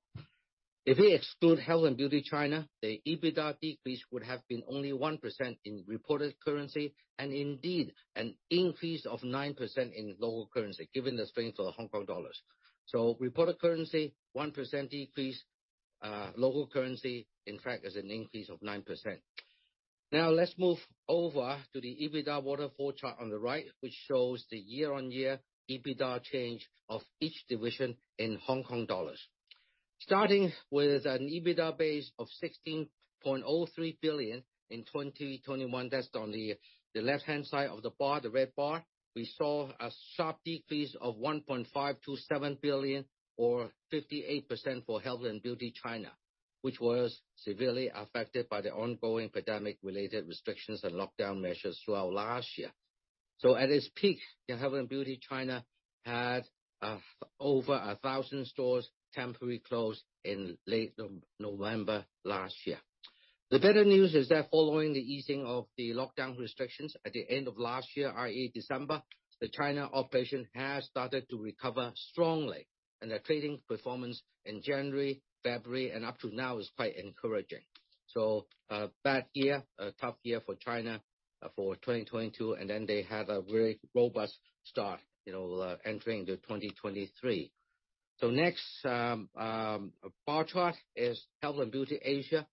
If we exclude Health and Beauty China, the EBITDA decrease would have been only 1% in reported currency and indeed an increase of 9% in local currency, given the strength of the Hong Kong dollars. Reported currency, 1% decrease. Local currency in fact is an increase of 9%. Let's move over to the EBITDA waterfall chart on the right, which shows the year-on-year EBITDA change of each division in HKD. Starting with an EBITDA base of 16.03 billion in 2021. That's on the left-hand side of the bar, the red bar. We saw a sharp decrease of 1.527 billion or 58% for Health and Beauty China, which was severely affected by the ongoing pandemic related restrictions and lockdown measures throughout last year. At its peak, Health and Beauty China had over 1,000 stores temporarily closed in late November last year. The better news is that following the easing of the lockdown restrictions at the end of last year, i.e., December, the China operation has started to recover strongly, and the trading performance in January, February, and up to now is quite encouraging. Bad year, a tough year for China for 2022, they had a very robust start, you know, entering into 2023. Next, bar chart is Health and Beauty Asia.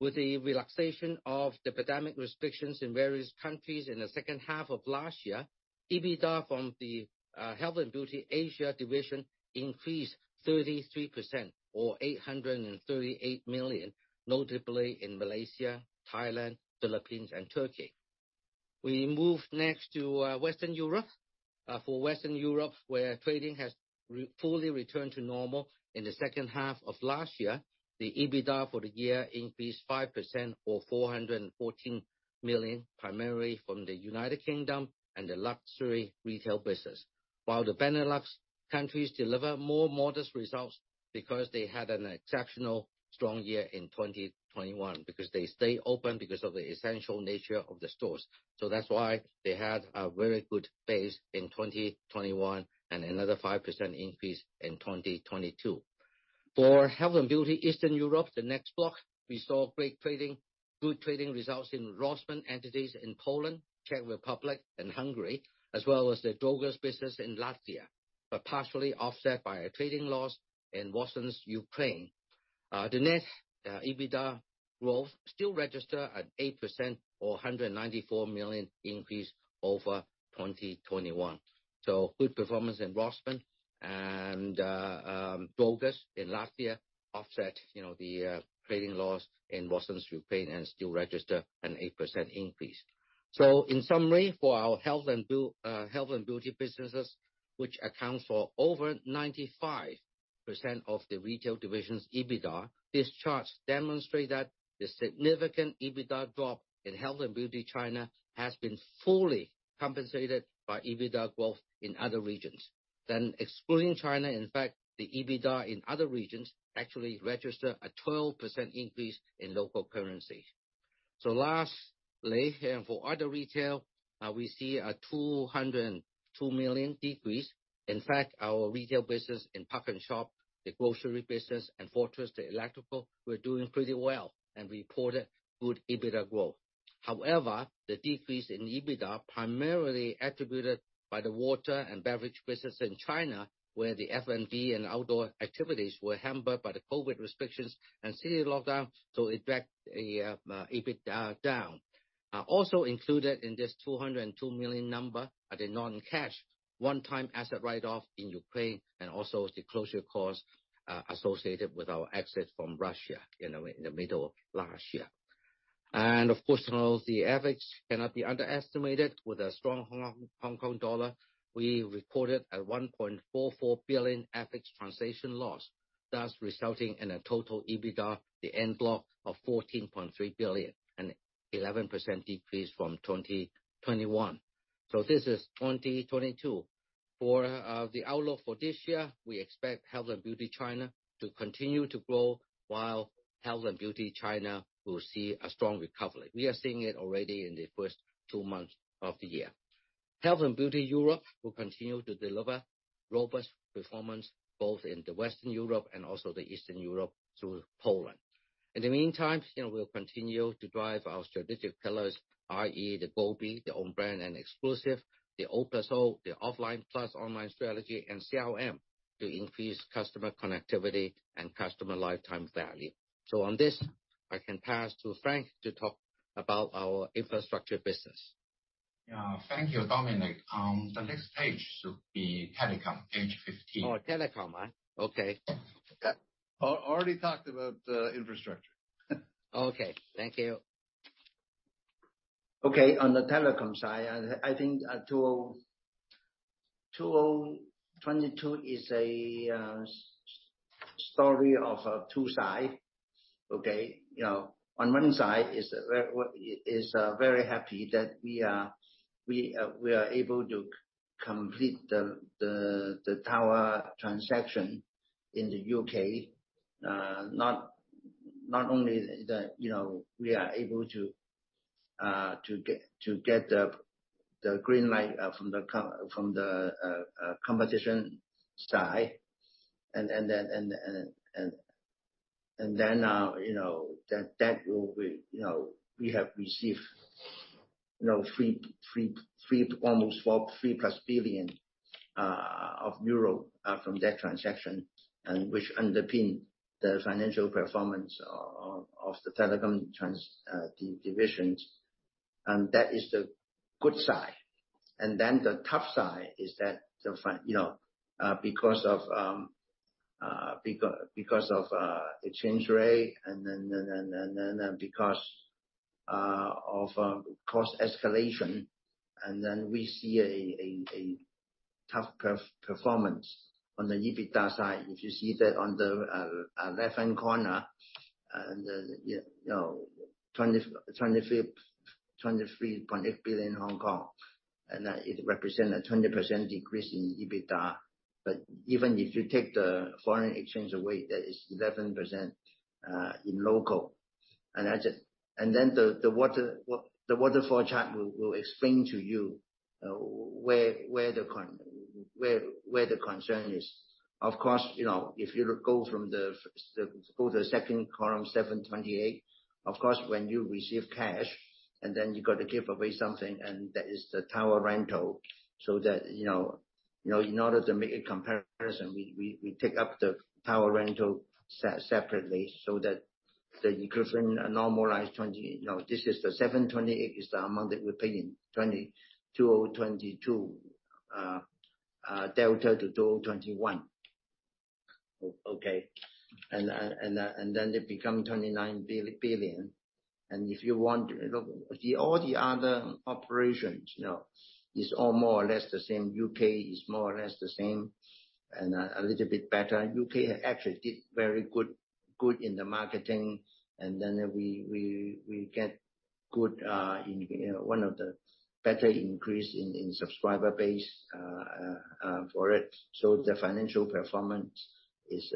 With the relaxation of the pandemic restrictions in various countries in the H2 of last year, EBITDA from the Health and Beauty Asia division increased 33% or 838 million, notably in Malaysia, Thailand, Philippines, and Turkey. We move next to Western Europe. For Western Europe, where trading has fully returned to normal in the H2 of last year. The EBITDA for the year increased 5% or 414 million, primarily from the United Kingdom and the luxury retail business, while the Benelux countries deliver more modest results because they had an exceptional strong year in 2021, because they stayed open because of the essential nature of the stores. That's why they had a very good base in 2021 and another 5% increase in 2022. For Health and Beauty Eastern Europe, the next block, we saw great trading, good trading results in Rossmann entities in Poland, Czech Republic, and Hungary, as well as the Drogas business in Latvia, but partially offset by a trading loss in Rossmann's Ukraine. The next EBITDA growth still registered at 8% or 194 million increase over 2021. Good performance in Rossmann and Drogas in Latvia offset, you know, the trading loss in Rossmann's Ukraine and still register an 8% increase. In summary, for our health and beauty businesses, which accounts for over 95% of the retail division's EBITDA. These charts demonstrate that the significant EBITDA drop in Health and Beauty China has been fully compensated by EBITDA growth in other regions. Excluding China, in fact, the EBITDA in other regions actually registered a 12% increase in local currency. Lastly, for other retail, we see a 202 million decrease. In fact, our retail business in PARKnSHOP, the grocery business, and Fortress, the electrical, were doing pretty well and reported good EBITDA growth. The decrease in EBITDA primarily attributed by the water and beverage business in China, where the F&B and outdoor activities were hampered by the COVID restrictions and city lockdown, so it dragged the EBITDA down. Also included in this 202 million number are the non-cash one-time asset write-off in Ukraine and also the closure cost associated with our exit from Russia in the middle of last year. Of course, you know, the FX cannot be underestimated. With a strong Hong Kong dollar, we recorded a 1.44 billion FX translation loss, thus resulting in a total EBITDA, the end block of 14.3 billion, an 11% decrease from 2021. This is 2022. For the outlook for this year, we expect Health and Beauty China to continue to grow while Health and Beauty China will see a strong recovery. We are seeing it already in the first 2 months of the year. Health and Beauty Europe will continue to deliver robust performance both in the Western Europe and also the Eastern Europe through Poland. In the meantime, you know, we'll continue to drive our strategic pillars, i.e., the GOBI, the own brand and exclusive, the O plus O, the offline plus online strategy, and CLM to increase customer connectivity and customer lifetime value. On this, I can pass to Frank to talk about our infrastructure business. Yeah. Thank you, Dominic. The next page should be Telecom, page 15. Oh, telecom, huh? Okay. Yeah. Already talked about the infrastructure. Okay. Thank you. Okay. On the telecom side, I think 2022 is a story of two side. Okay? You know, on one side is very happy that we are able to complete the tower transaction in the UK. Not only the, you know, we are able to get the green light from the competition side, and then, you know, that will be, you know, we have received almost 4 billion euro, 3-plus billion euro from that transaction and which underpin the financial performance of the telecom divisions. That is the good side. The tough side is that the... You know, because of exchange rate then because of cost escalation, then we see a tough performance on the EBITDA side. If you see that on the left-hand corner, the, you know, 20.8 billion Hong Kong. That it represent a 20% decrease in EBITDA. Even if you take the foreign exchange away, that is 11% in local. That's it. Then the waterfall chart will explain to you where the concern is. Of course, you know, if you go from the, go to the second column, 728. Of course, when you receive cash and then you got to give away something, and that is the tower rental. That, you know, you know, in order to make a comparison, we take up the tower rental separately so that the equivalent normalized twenty... You know, this is the 728, is the amount that we paid in 2022 delta to 2021. Okay? Then they become 29 billion. If you want, you know, the... All the other operations, you know, is all more or less the same. UK is more or less the same and a little bit better. UK actually did very good in the marketing and then we get good, in, you know, one of the better increase in subscriber base for it. The financial performance is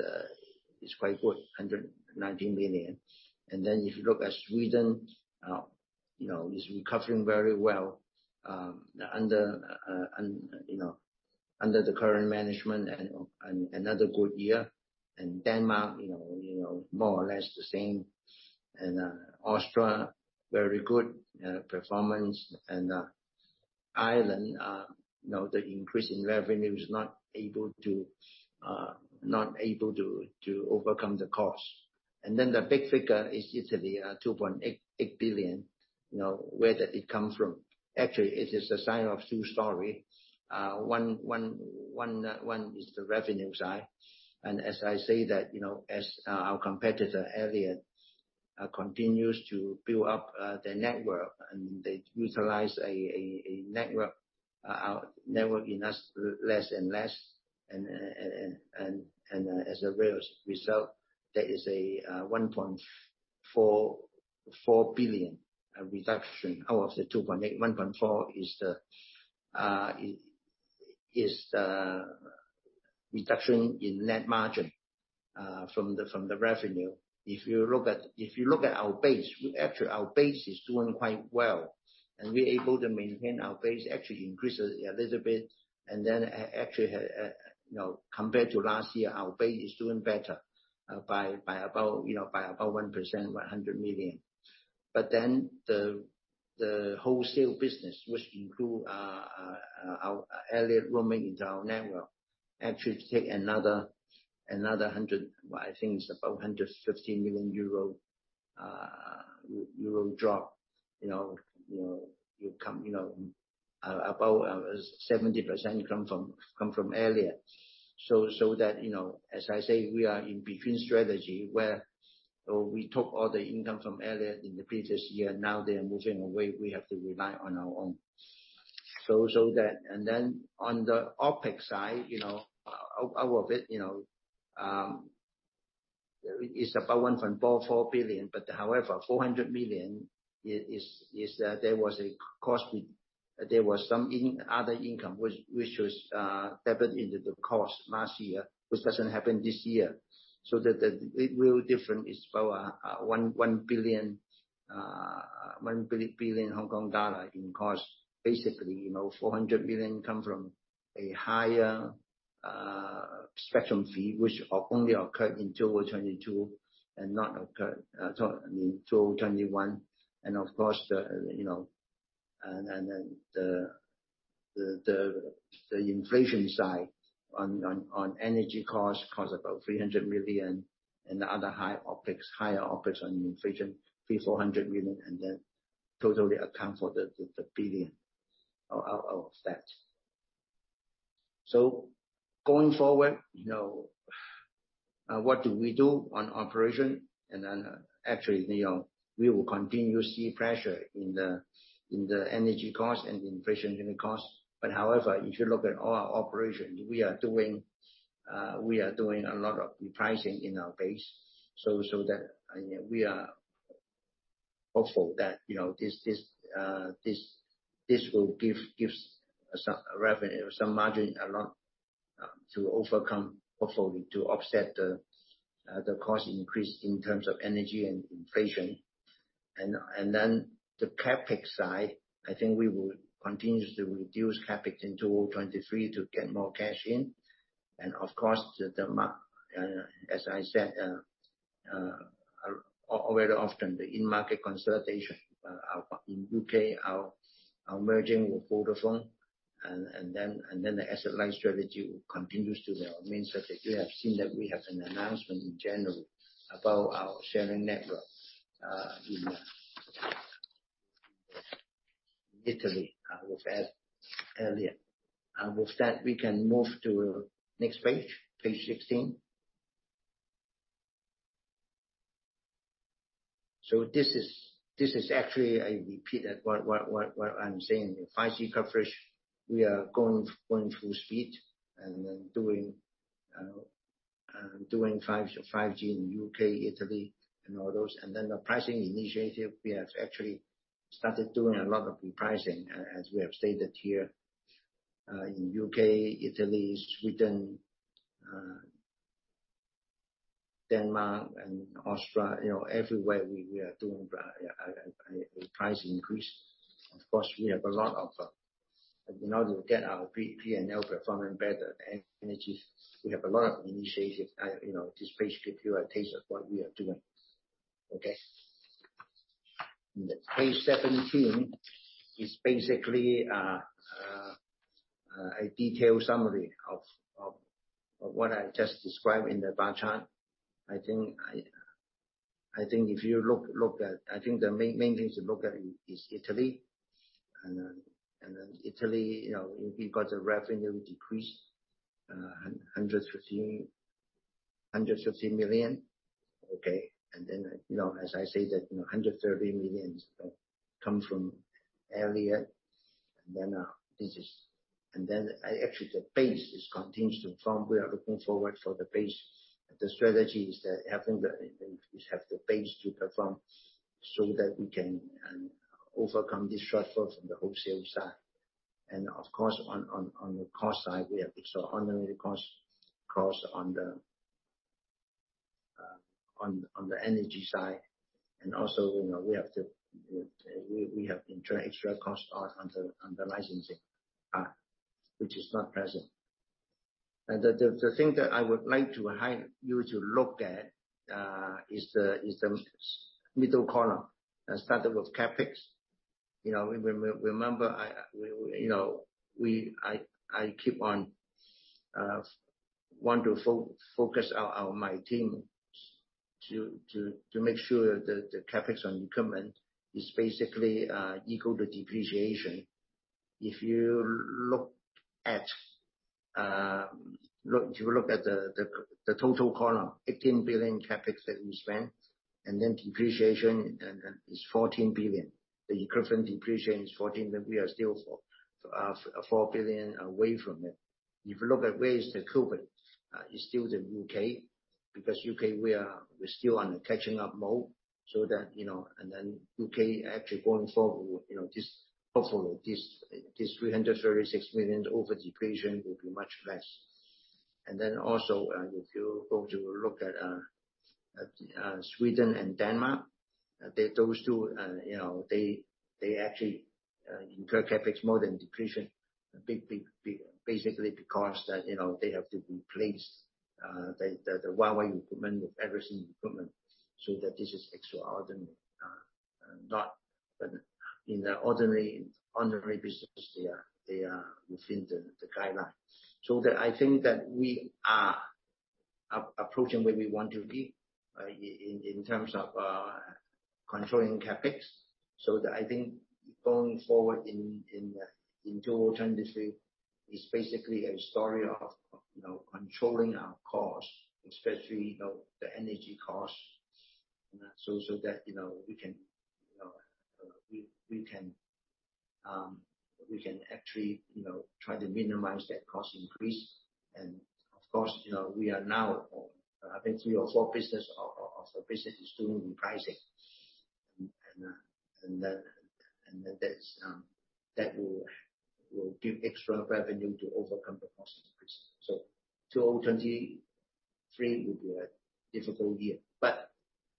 quite good, 119 million. If you look at Sweden, you know, is recovering very well, under, you know, under the current management and another good year. Denmark, you know, more or less the same. Austria, very good, performance. Ireland, you know, the increase in revenue is not able to, not able to overcome the cost. The big figure is Italy, 2.88 billion. You know, where did it come from? Actually, it is a sign of two story. One is the revenue side. As I say that, you know, as our competitor, Iliad, continues to build up their network and they utilize a network in less and less. As a result, there is a 1.44 billion reduction out of the 2.8. 1.4 is the reduction in net margin from the revenue. If you look at our base, our base is doing quite well. We're able to maintain our base, actually increase it a little bit. Actually, you know, compared to last year, our base is doing better by about, you know, by about 1%, 100 million. The wholesale business, which include our Iliad roaming into our network, actually take, well, I think it's about 150 million euro drop. You know, income, you know, about 70% come from Iliad. That, you know, as I say, we are in between strategy where we took all the income from Iliad in the previous year. Now they are moving away, we have to rely on our own. That. On the OpEx side, you know, our bit, you know, is about 1.4 billion. However, 400 million is, there was a cost. There was some in-other income which was debit into the cost last year, which doesn't happen this year. The real difference is about 1 billion Hong Kong dollars in cost. Basically, you know, 400 million come from a higher spectrum fee which only occurred in 2022 and not occurred, I mean, 2021. Of course the, you know, then the inflation side on energy costs about 300 million. The other higher OpEx on inflation, 300-400 million. Totally account for the 1 billion of that. Going forward, you know, what do we do on operation? Actually, you know, we will continue to see pressure in the energy costs and the inflation unit costs. However, if you look at all our operations, we are doing a lot of repricing in our base. That, we are hopeful that, you know, this will give some revenue, some margin along to overcome, hopefully to offset the cost increase in terms of energy and inflation. The CapEx side, I think we will continuously reduce CapEx in 2023 to get more cash in. As I said, very often the in-market consolidation in UK merging with Vodafone. The asset light strategy will continues to our main strategy. You have seen that we have an announcement in general about our sharing network in Italy with Iliad. With that, we can move to next page 16. This is actually, I repeat what I'm saying. The 5G coverage, we are going full speed and then doing 5G in UK Italy and all those. The pricing initiative, we have actually started doing a lot of repricing as we have stated here in UK Italy, Sweden, Denmark and Austria. You know, everywhere we are doing a price increase. Of course, we have a lot of. In order to get our P&L performing better, and energy, we have a lot of initiatives. You know, just basically give you a taste of what we are doing. Okay? Page 17 is basically a detailed summary of what I just described in the bar chart. I think if you look at. I think the main thing to look at is Italy. Italy, you know, you've got a revenue decrease, 115 million. You know, as I say that, you know, 130 million come from Elliott. Actually the base continues to perform. We are looking forward for the base. The strategy is that is have the base to perform so that we can overcome this shortfall from the wholesale side. On the cost side, we have extraordinary costs on the energy side. You know, we have extra costs on the licensing part, which is not present. The thing that I would like to highlight you to look at is the middle column. Starting with CapEx. You know, remember, I keep on want to focus our, my team to make sure that the CapEx on equipment is basically equal to depreciation. If you look at the total column, 18 billion CapEx that we spent, and then depreciation is 14 billion. The equivalent depreciation is 14, we are still 4 billion away from it. If you look at where is the culprit, it's still the UK, because UK we're still on the catching up mode. That, you know, UK actually going forward, you know, hopefully this 336 million over depreciation will be much less. Also, if you go to look at Sweden and Denmark, those two, you know, they actually incur CapEx more than depreciation. Basically because that, you know, they have to replace the Huawei equipment with Ericsson equipment. This is extraordinary. Not in the ordinary business they are within the guidelines. I think that we are approaching where we want to be in terms of controlling CapEx. I think going forward in 2023 is basically a story of, you know, controlling our costs, especially, you know, the energy costs. That, you know, we can actually, you know, try to minimize that cost increase. Of course, you know, we are now, I think three or four business of the business is doing repricing. That's, that will give extra revenue to overcome the cost increase. 2023 will be a difficult year.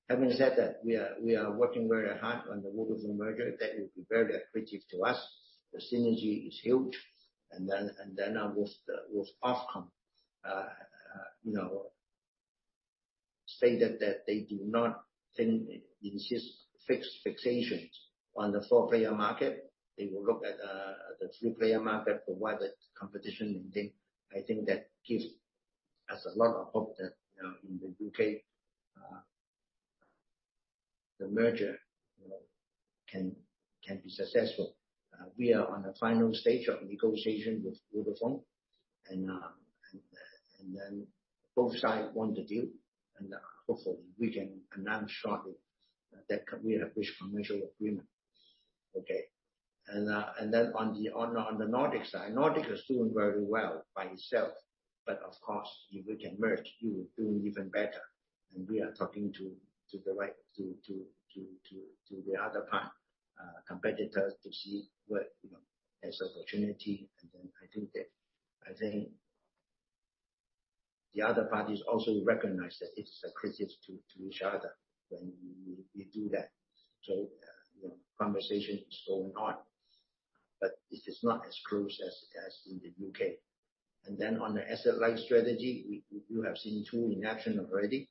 Having said that, we are working very hard on the Vodafone merger. That will be very accretive to us. The synergy is huge. With Ofcom, you know, stated that they do not think this is fixed fixations on the four-player market. They will look at the three-player market, provide the competition in there. I think that gives us a lot of hope that, you know, in the UK, the merger, you know, can be successful. We are on the final stage of negotiation with Vodafone, and both sides want the deal. Hopefully we can announce shortly that we have reached commercial agreement. Okay? On the Nordic side. Nordic is doing very well by itself. Of course, if we can merge, it will do even better. We are talking to the right, to the other part, competitors to see what, you know, as opportunity. I think the other parties also recognize that it's accretive to each other when you do that. You know, conversation is going on, but this is not as close as in the UK. On the asset light strategy, you have seen two in action already,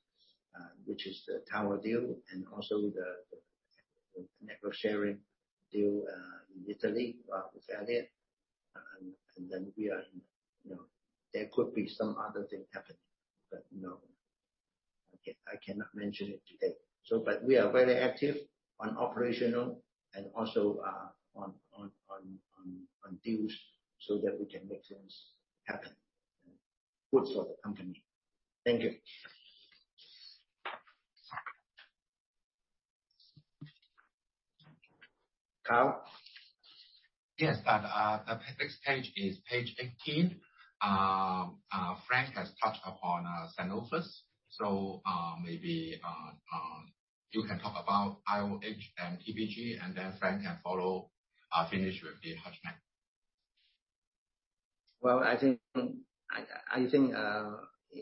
which is the tower deal and also the network sharing deal in Italy with Elliott. We are, you know... There could be some other thing happening, but no, I cannot mention it today. We are very active on operational and also on-Continue so that we can make things happen, and good for the company. Thank you. Kyle? Yes. The next page is page 18. Frank has touched upon Cenovus. Maybe you can talk about IOH and TPG, and then Frank can follow, finish with the HUTCHMED. Well, I think, I think,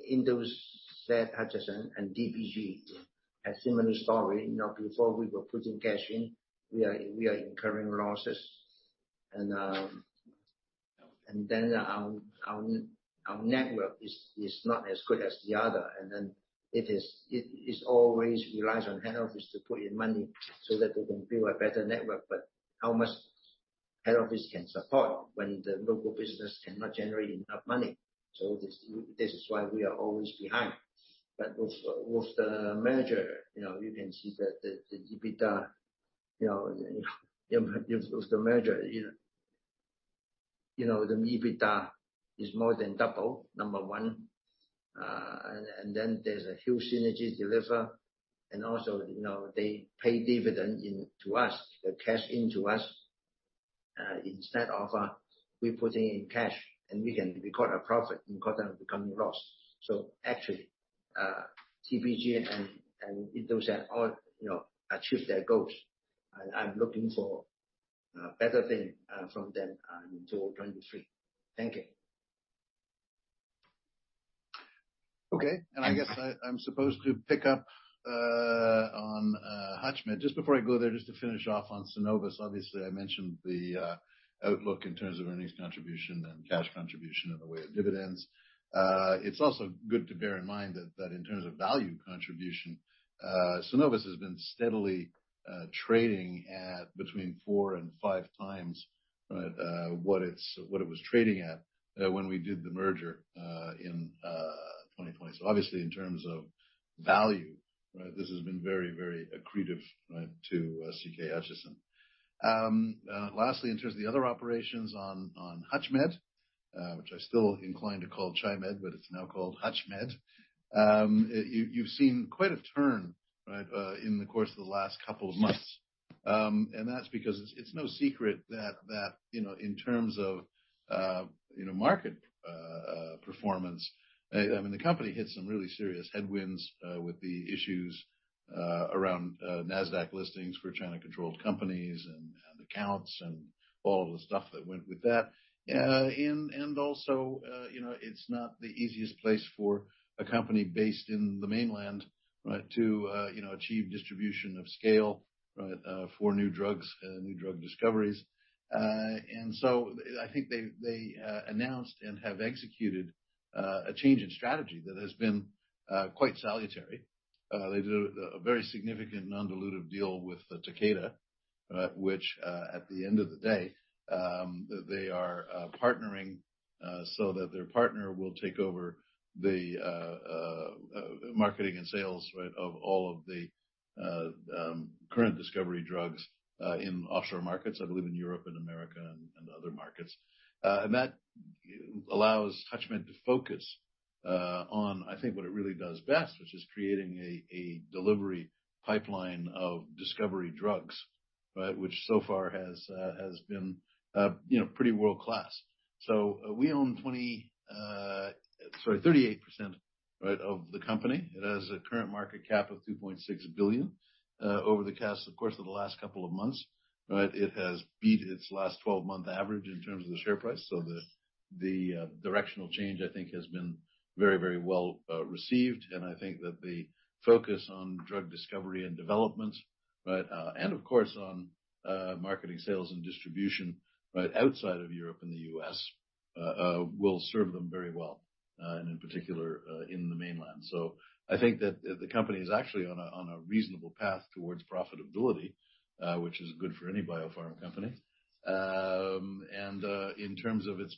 in those said Hutchison and DPG have similar story. You know, before we were putting cash in, we are incurring losses. Our network is not as good as the other, and then it always relies on head office to put in money so that they can build a better network. How much head office can support when the local business cannot generate enough money? This is why we are always behind. With the merger, you know, you can see that the EBITDA, you know, with the merger, you know, the EBITDA is more than double, number one. There's a huge synergy deliver. You know, they pay dividend in to us, the cash into us, instead of we putting in cash. We can record a profit instead of becoming loss. Actually, TPG and Indosat all, you know, achieve their goals. I'm looking for better things from them till 2023. Thank you. Okay. I'm supposed to pick up on HUTCHMED. Just before I go there, just to finish off on Cenovus. Obviously, I mentioned the outlook in terms of earnings contribution and cash contribution in the way of dividends. It's also good to bear in mind that in terms of value contribution, Cenovus has been steadily trading at between 4 and 5 times what it was trading at when we did the merger in 2020. Obviously in terms of value, right, this has been very, very accretive, right, to CK Hutchison. Lastly, in terms of the other operations on HUTCHMED, which I still inclined to call Chi-Med, but it's now called HUTCHMED. You've seen quite a turn, right, in the course of the last couple of months. That's because it's no secret that, you know, in terms of, you know, market performance. I mean, the company hit some really serious headwinds with the issues around NASDAQ listings for China-controlled companies and accounts and all of the stuff that went with that. Also, you know, it's not the easiest place for a company based in the mainland, right, to, you know, achieve distribution of scale, right, for new drugs and new drug discoveries. So I think they announced and have executed a change in strategy that has been quite salutary. They did a very significant non-dilutive deal with Takeda, right? Which, at the end of the day, they are partnering, so that their partner will take over the marketing and sales, right, of all of the current discovery drugs, in offshore markets, I believe in Europe and America and other markets. That allows HUTCHMED to focus on, I think, what it really does best, which is creating a delivery pipeline of discovery drugs, right? Which so far has been, you know, pretty world-class. We own 20, sorry, 38%, right, of the company. It has a current market cap of $2.6 billion. Over the course, of course, of the last couple of months, right? It has beat its last 12-month average in terms of the share price. The directional change, I think, has been very well received. I think that the focus on drug discovery and development, right, and of course, on marketing, sales and distribution, right, outside of Europe and the US, will serve them very well, and in particular, in the mainland. I think that the company is actually on a reasonable path towards profitability, which is good for any biopharma company. In terms of its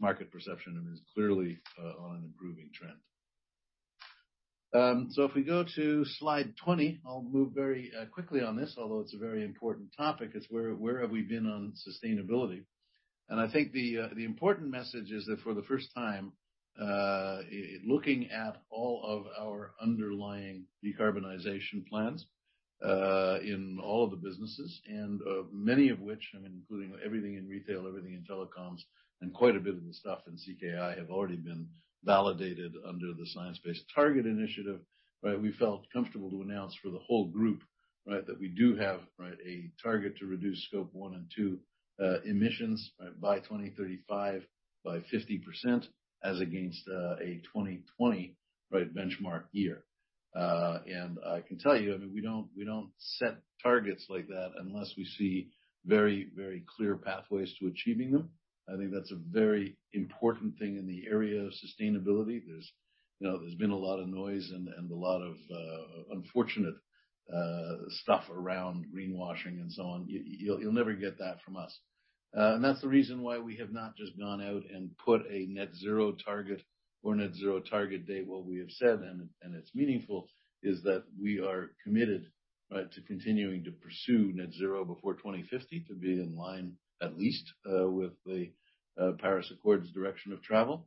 market perception, I mean, it's clearly on an improving trend. If we go to slide 20. I'll move very quickly on this, although it's a very important topic. It's where have we been on sustainability? I think the important message is that for the first time, looking at all of our underlying decarbonization plans, in all of the businesses, and many of which, I mean, including everything in retail, everything in telecoms, and quite a bit of the stuff in CKI, have already been validated under the Science Based Targets initiative, right? We felt comfortable to announce for the whole group, right, that we do have, right, a target to reduce Scope 1 and 2 emissions, right, by 2035 by 50% as against a 2020, right, benchmark year. I can tell you, I mean, we don't, we don't set targets like that unless we see very, very clear pathways to achieving them. I think that's a very important thing in the area of sustainability. There's, you know, there's been a lot of noise and a lot of unfortunate stuff around greenwashing and so on. You'll never get that from us. That's the reason why we have not just gone out and put a net zero target or net zero target date. What we have said, and it's meaningful, is that we are committed, Right, to continuing to pursue net zero before 2050 to be in line at least with the Paris Accords direction of travel.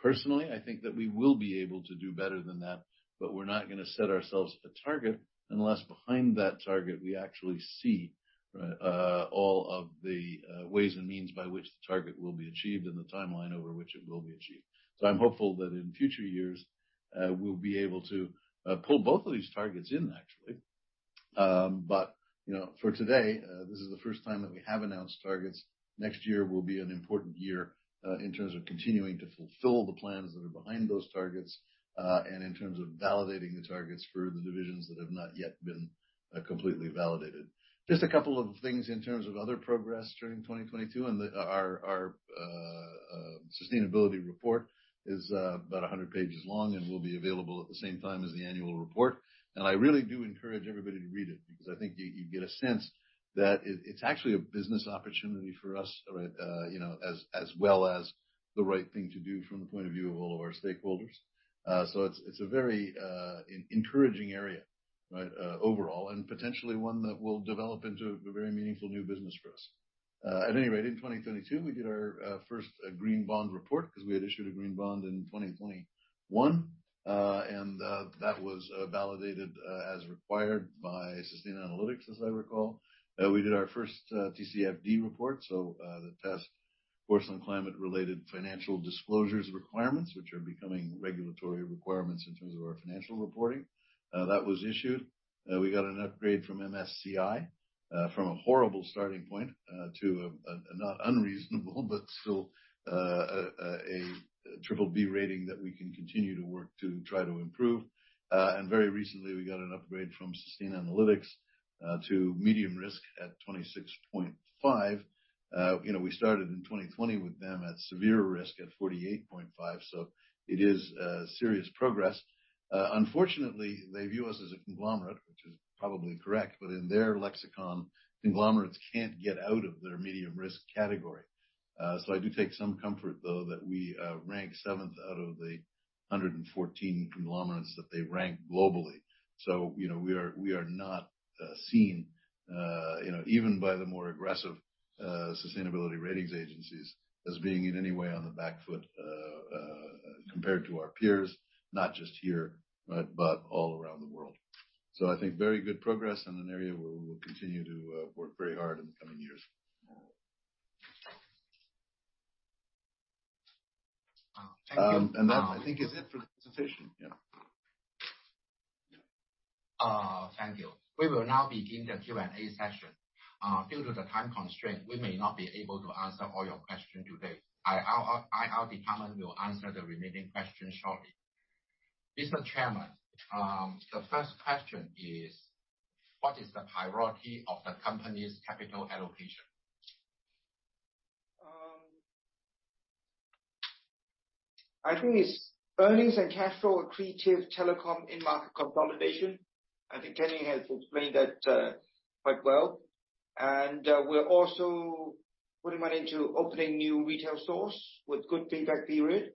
Personally, I think that we will be able to do better than that, but we're not gonna set ourselves a target unless behind that target we actually see all of the ways and means by which the target will be achieved and the timeline over which it will be achieved. So I'm hopeful that in future years, uh, we'll be able to, uh, pull both of these targets in actually. Um, but, you know, for today, uh, this is the first time that we have announced targets. Next year will be an important year, uh, in terms of continuing to fulfill the plans that are behind those targets, uh, and in terms of validating the targets for the divisions that have not yet been, uh, completely validated. Just a couple of things in terms of other progress during twenty twenty-two and the... Our, our, uh, sustainability report is, uh, about a hundred pages long and will be available at the same time as the annual report. I really do encourage everybody to read it because I think you get a sense that it's actually a business opportunity for us, right, you know, as well as the right thing to do from the point of view of all of our stakeholders. So it's a very encouraging area, right, overall, and potentially one that will develop into a very meaningful new business for us. At any rate, in 2022, we did our first green bond report because we had issued a green bond in 2021. And that was validated as required by Sustainalytics, as I recall. We did our first TCFD report, so the Task Force on Climate-related Financial Disclosures requirements, which are becoming regulatory requirements in terms of our financial reporting. That was issued. We got an upgrade from MSCI, from a horrible starting point, to a not unreasonable, but still, a triple B rating that we can continue to work to try to improve. Very recently we got an upgrade from Sustainalytics, to medium risk at 26.5. You know, we started in 2020 with them at severe risk at 48.5, so it is serious progress. Unfortunately, they view us as a conglomerate, which is probably correct, but in their lexicon, conglomerates can't get out of their medium risk category. I do take some comfort, though, that we rank seventh out of the 114 conglomerates that they rank globally. You know, we are not seen, you know, even by the more aggressive sustainability ratings agencies as being in any way on the back foot, compared to our peers, not just here, right, but all around the world. I think very good progress in an area where we will continue to work very hard in the coming years. Wow. Thank you. That I think is it for the presentation. Yeah. Thank you. We will now begin the Q&A session. Due to the time constraint, we may not be able to answer all your question today. Our IR department will answer the remaining questions shortly. Mr. Chairman, the first question is: What is the priority of the company's capital allocation? I think it's earnings and cash flow accretive telecom in-market consolidation. I think Kenny has explained that quite well. We're also putting money into opening new retail stores with good payback period.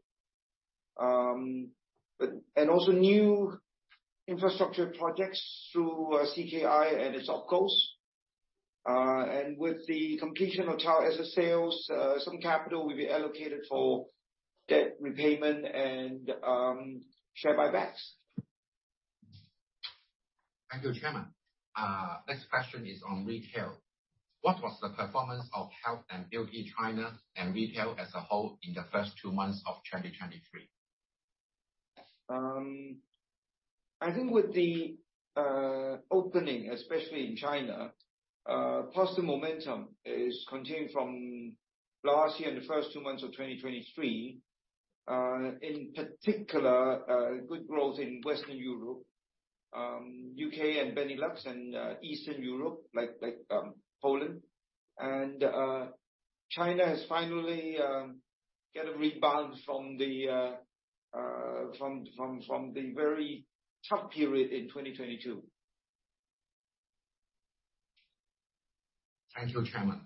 Also new infrastructure projects through CKI and its opcos. With the completion of TowerAsia sales, some capital will be allocated for debt repayment and share buybacks. Thank you, Chairman. Next question is on retail. What was the performance of Health and Beauty China and retail as a whole in the first 2 months of 2023? I think with the opening, especially in China, positive momentum is continuing from last year and the first 2 months of 2023. In particular, good growth in Western Europe, UK, and Benelux, and Eastern Europe, like Poland. China has finally get a rebound from the very tough period in 2022. Thank you, Chairman.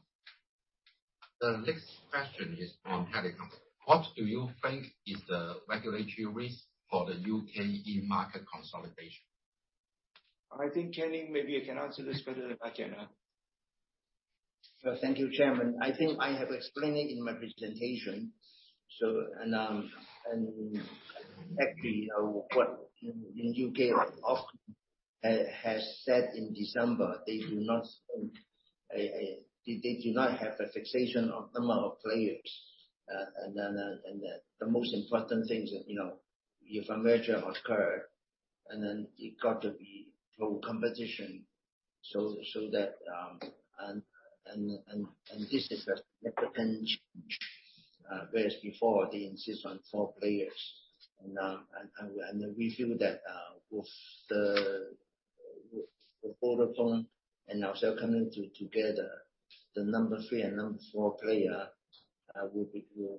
The next question is on telecoms. What do you think is the regulatory risk for the UK in market consolidation? I think, Kenny, maybe you can answer this better than I can. Well, thank you, Chairman. I think I have explained it in my presentation. Actually, what in UK Ofcom has said in December, they do not have a fixation of number of players. The most important thing is that, you know, if a merger occur and then it got to be pro-competition. This is a significant change, whereas before they insist on 4 players. We feel that with Vodafone and ourselves coming together, the number 3 and number 4 player will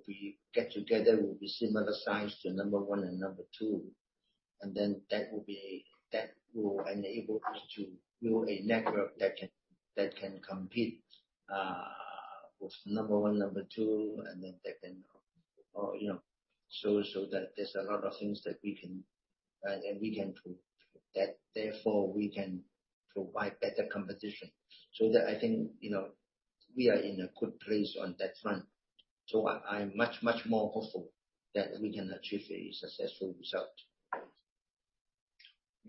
be get together, will be similar size to number 1 and number 2. That will enable us to build a network that can compete with number one, number two. You know, so that there's a lot of things that we can, and we can prove. Therefore we can provide better competition. I think, you know, we are in a good place on that front. I'm much more hopeful that we can achieve a successful result.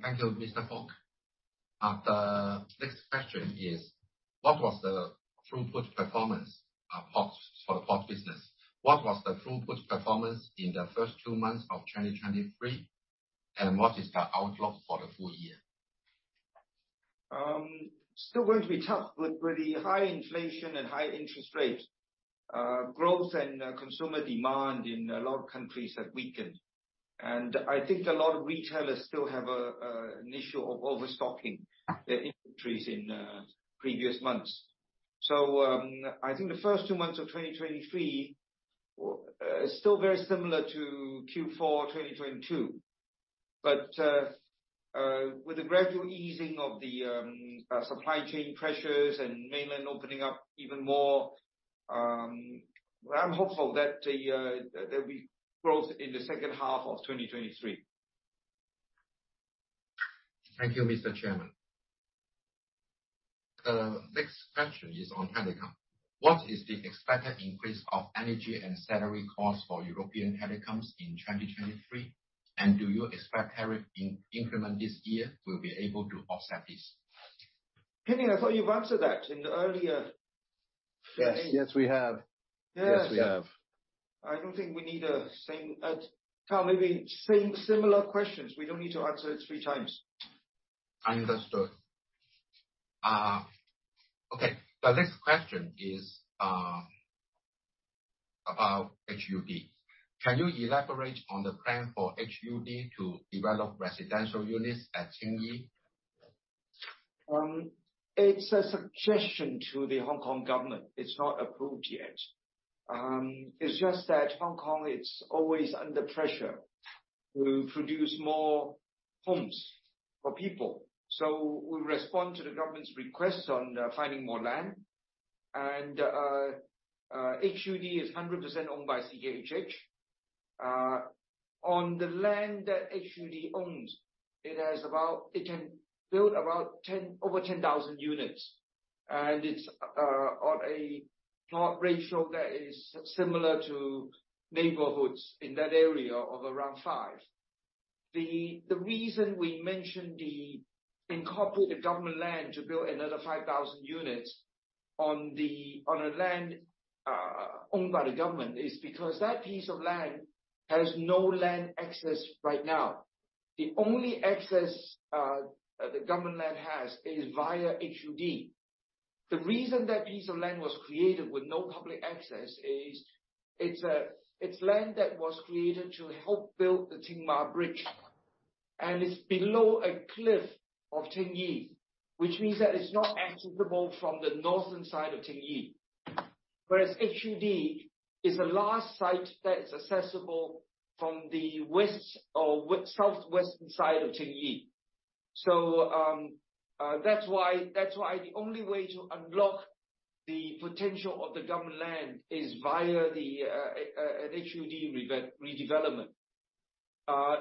Thank you, Mr. Fok. The next question is, What was the throughput performance for the port business. What was the throughput performance in the first 2 months of 2023? What is the outlook for the full year? Still going to be tough with really high inflation and high interest rates. Growth and consumer demand in a lot of countries have weakened. I think a lot of retailers still have an issue of overstocking their inventories in previous months. I think the first 2 months of 2023 still very similar to Q4 2022. With the gradual easing of the supply chain pressures and Mainland opening up even more, I'm hopeful that there'll be growth in the H2 of 2023. Thank you, Mr. Chairman. The next question is on telecom. What is the expected increase of energy and salary costs for European telecoms in 2023? Do you expect tariff in-increment this year will be able to offset this? Penin, I thought you've answered that in the earlier... Yes. Yes, we have. Yes. Yes, we have. I don't think we need to, Carl, maybe same similar questions, we don't need to answer it three times. Understood. Okay. The next question is about HUD. Can you elaborate on the plan for HUD to develop residential units at Tsing Yi? It's a suggestion to the Hong Kong government. It's not approved yet. It's just that Hong Kong, it's always under pressure to produce more homes for people. We respond to the government's request on finding more land. HUD is 100% owned by CKHH. On the land that HUD owns, it has about over 10,000 units. It's on a plot ratio that is similar to neighborhoods in that area of around 5. The reason we mentioned the incorporate the government land to build another 5,000 units on a land owned by the government is because that piece of land has no land access right now. The only access the government land has is via HUD. The reason that piece of land was created with no public access is it's land that was created to help build the Tsing Ma Bridge. It's below a cliff of Tsing Yi. Which means that it's not accessible from the northern side of Tsing Yi. Whereas HUD is the last site that is accessible from the west or southwestern side of Tsing Yi. That's why the only way to unlock the potential of the government land is via an HUD redevelopment.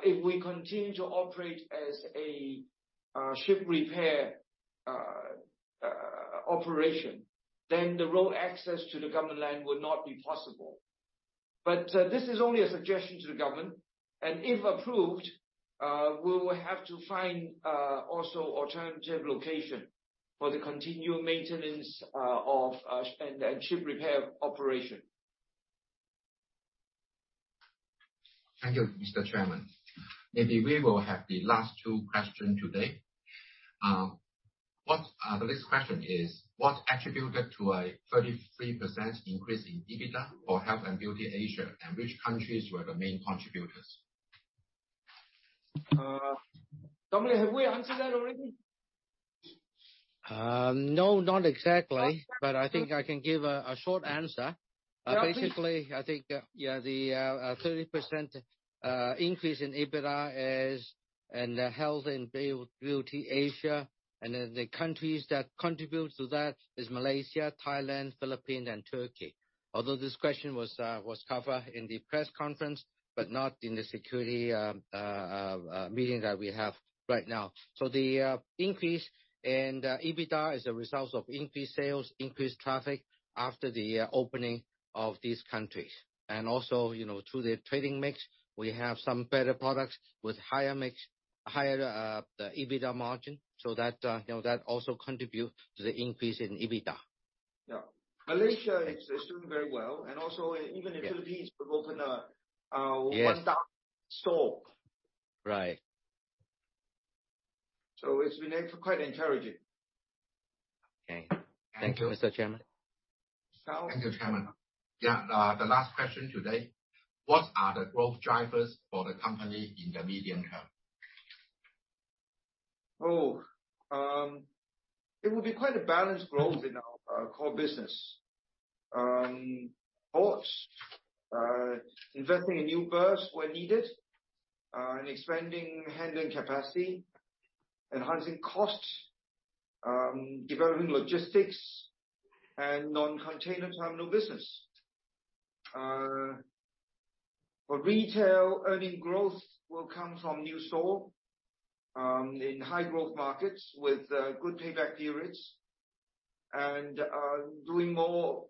If we continue to operate as a ship repair operation, then the road access to the government land would not be possible. This is only a suggestion to the government. If approved, we will have to find also alternative location for the continued maintenance of and ship repair operation. Thank you, Mr. Chairman. Maybe we will have the last 2 question today. The next question is, What attributed to a 33% increase in EBITDA for Health and Beauty Asia? Which countries were the main contributors? Dominic, have we answered that already? No, not exactly. Okay. I think I can give a short answer. Yeah, please. Basically, I think, yeah, the 30% increase in EBITDA is in the Health and Beauty Asia. The countries that contribute to that is Malaysia, Thailand, Philippines, and Turkey. Although this question was covered in the press conference, but not in the security meeting that we have right now. The increase in the EBITDA is a result of increased sales, increased traffic after the opening of these countries. You know, through the trading mix, we have some better products with higher mix, higher EBITDA margin. You know, that also contribute to the increase in EBITDA. Yeah. Malaysia is doing very well. Also, even in Philippines, we've opened. Yes one store. Right. It's been, quite encouraging. Okay. Thank you, Mr. Chairman. Thank you, Chairman. Yeah, the last question today. What are the growth drivers for the company in the medium term? It will be quite a balanced growth in our core business. Ports, investing in new berths where needed, and expanding handling capacity, enhancing costs. Developing logistics and non-container terminal business. For retail, earning growth will come from new store in high growth markets with good payback periods. Doing more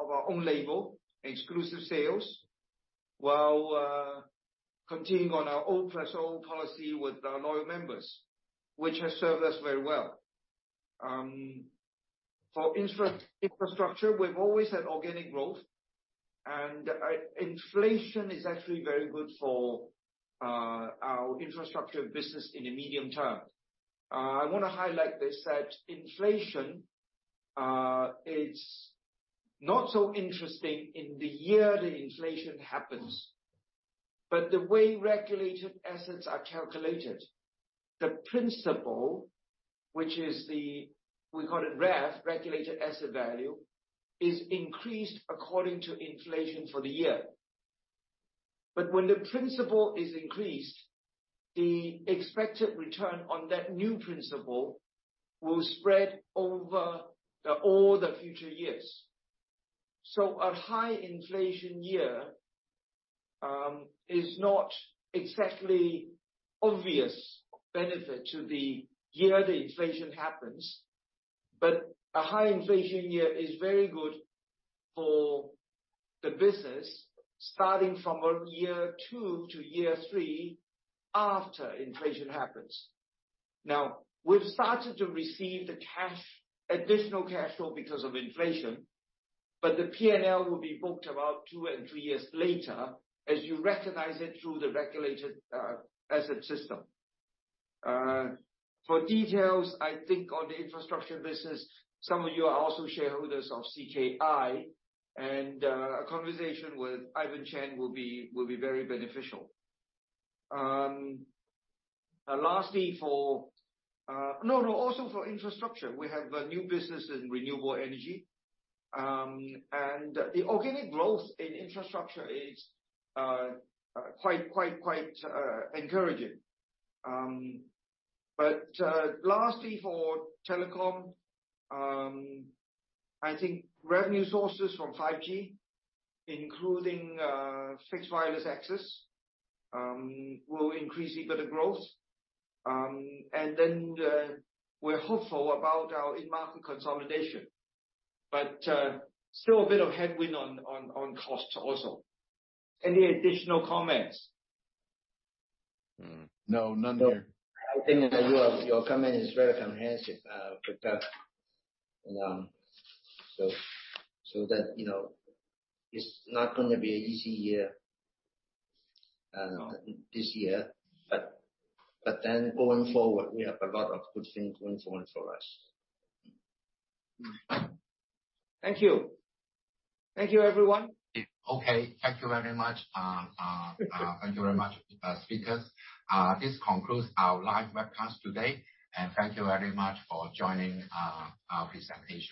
of our own label exclusive sales, while continuing on our O+O policy with our loyal members, which has served us very well. For infrastructure, we've always had organic growth. Inflation is actually very good for our infrastructure business in the medium term. I wanna highlight this, that inflation is not so interesting in the year the inflation happens. The way regulated assets are calculated, the principle, which is the... We call it RAV, regulated asset value, is increased according to inflation for the year. When the principal is increased, the expected return on that new principal will spread over all the future years. A high inflation year is not exactly obvious benefit to the year the inflation happens. A high inflation year is very good for the business starting from year 2 to year 3 after inflation happens. Now, we've started to receive the cash, additional cash flow because of inflation, but the P&L will be booked about 2 and 3 years later as you recognize it through the regulated asset system. For details, I think on the infrastructure business, some of you are also shareholders of CKI, and a conversation with Ivan Chan will be very beneficial. Lastly, also for infrastructure. We have a new business in renewable energy. The organic growth in infrastructure is quite encouraging. Lastly, for telecom, I think revenue sources from 5G, including fixed wireless access, will increase EBITDA growth. We're hopeful about our in-market consolidation. Still a bit of headwind on costs also. Any additional comments? No, none here. No. I think your comment is very comprehensive, Victor. That, you know, it's not gonna be an easy year. No... this year. Going forward, we have a lot of good things going forward for us. Thank you. Thank you, everyone. Okay. Thank you very much. Thank you very much, speakers. This concludes our live webcast today. Thank you very much for joining our presentation.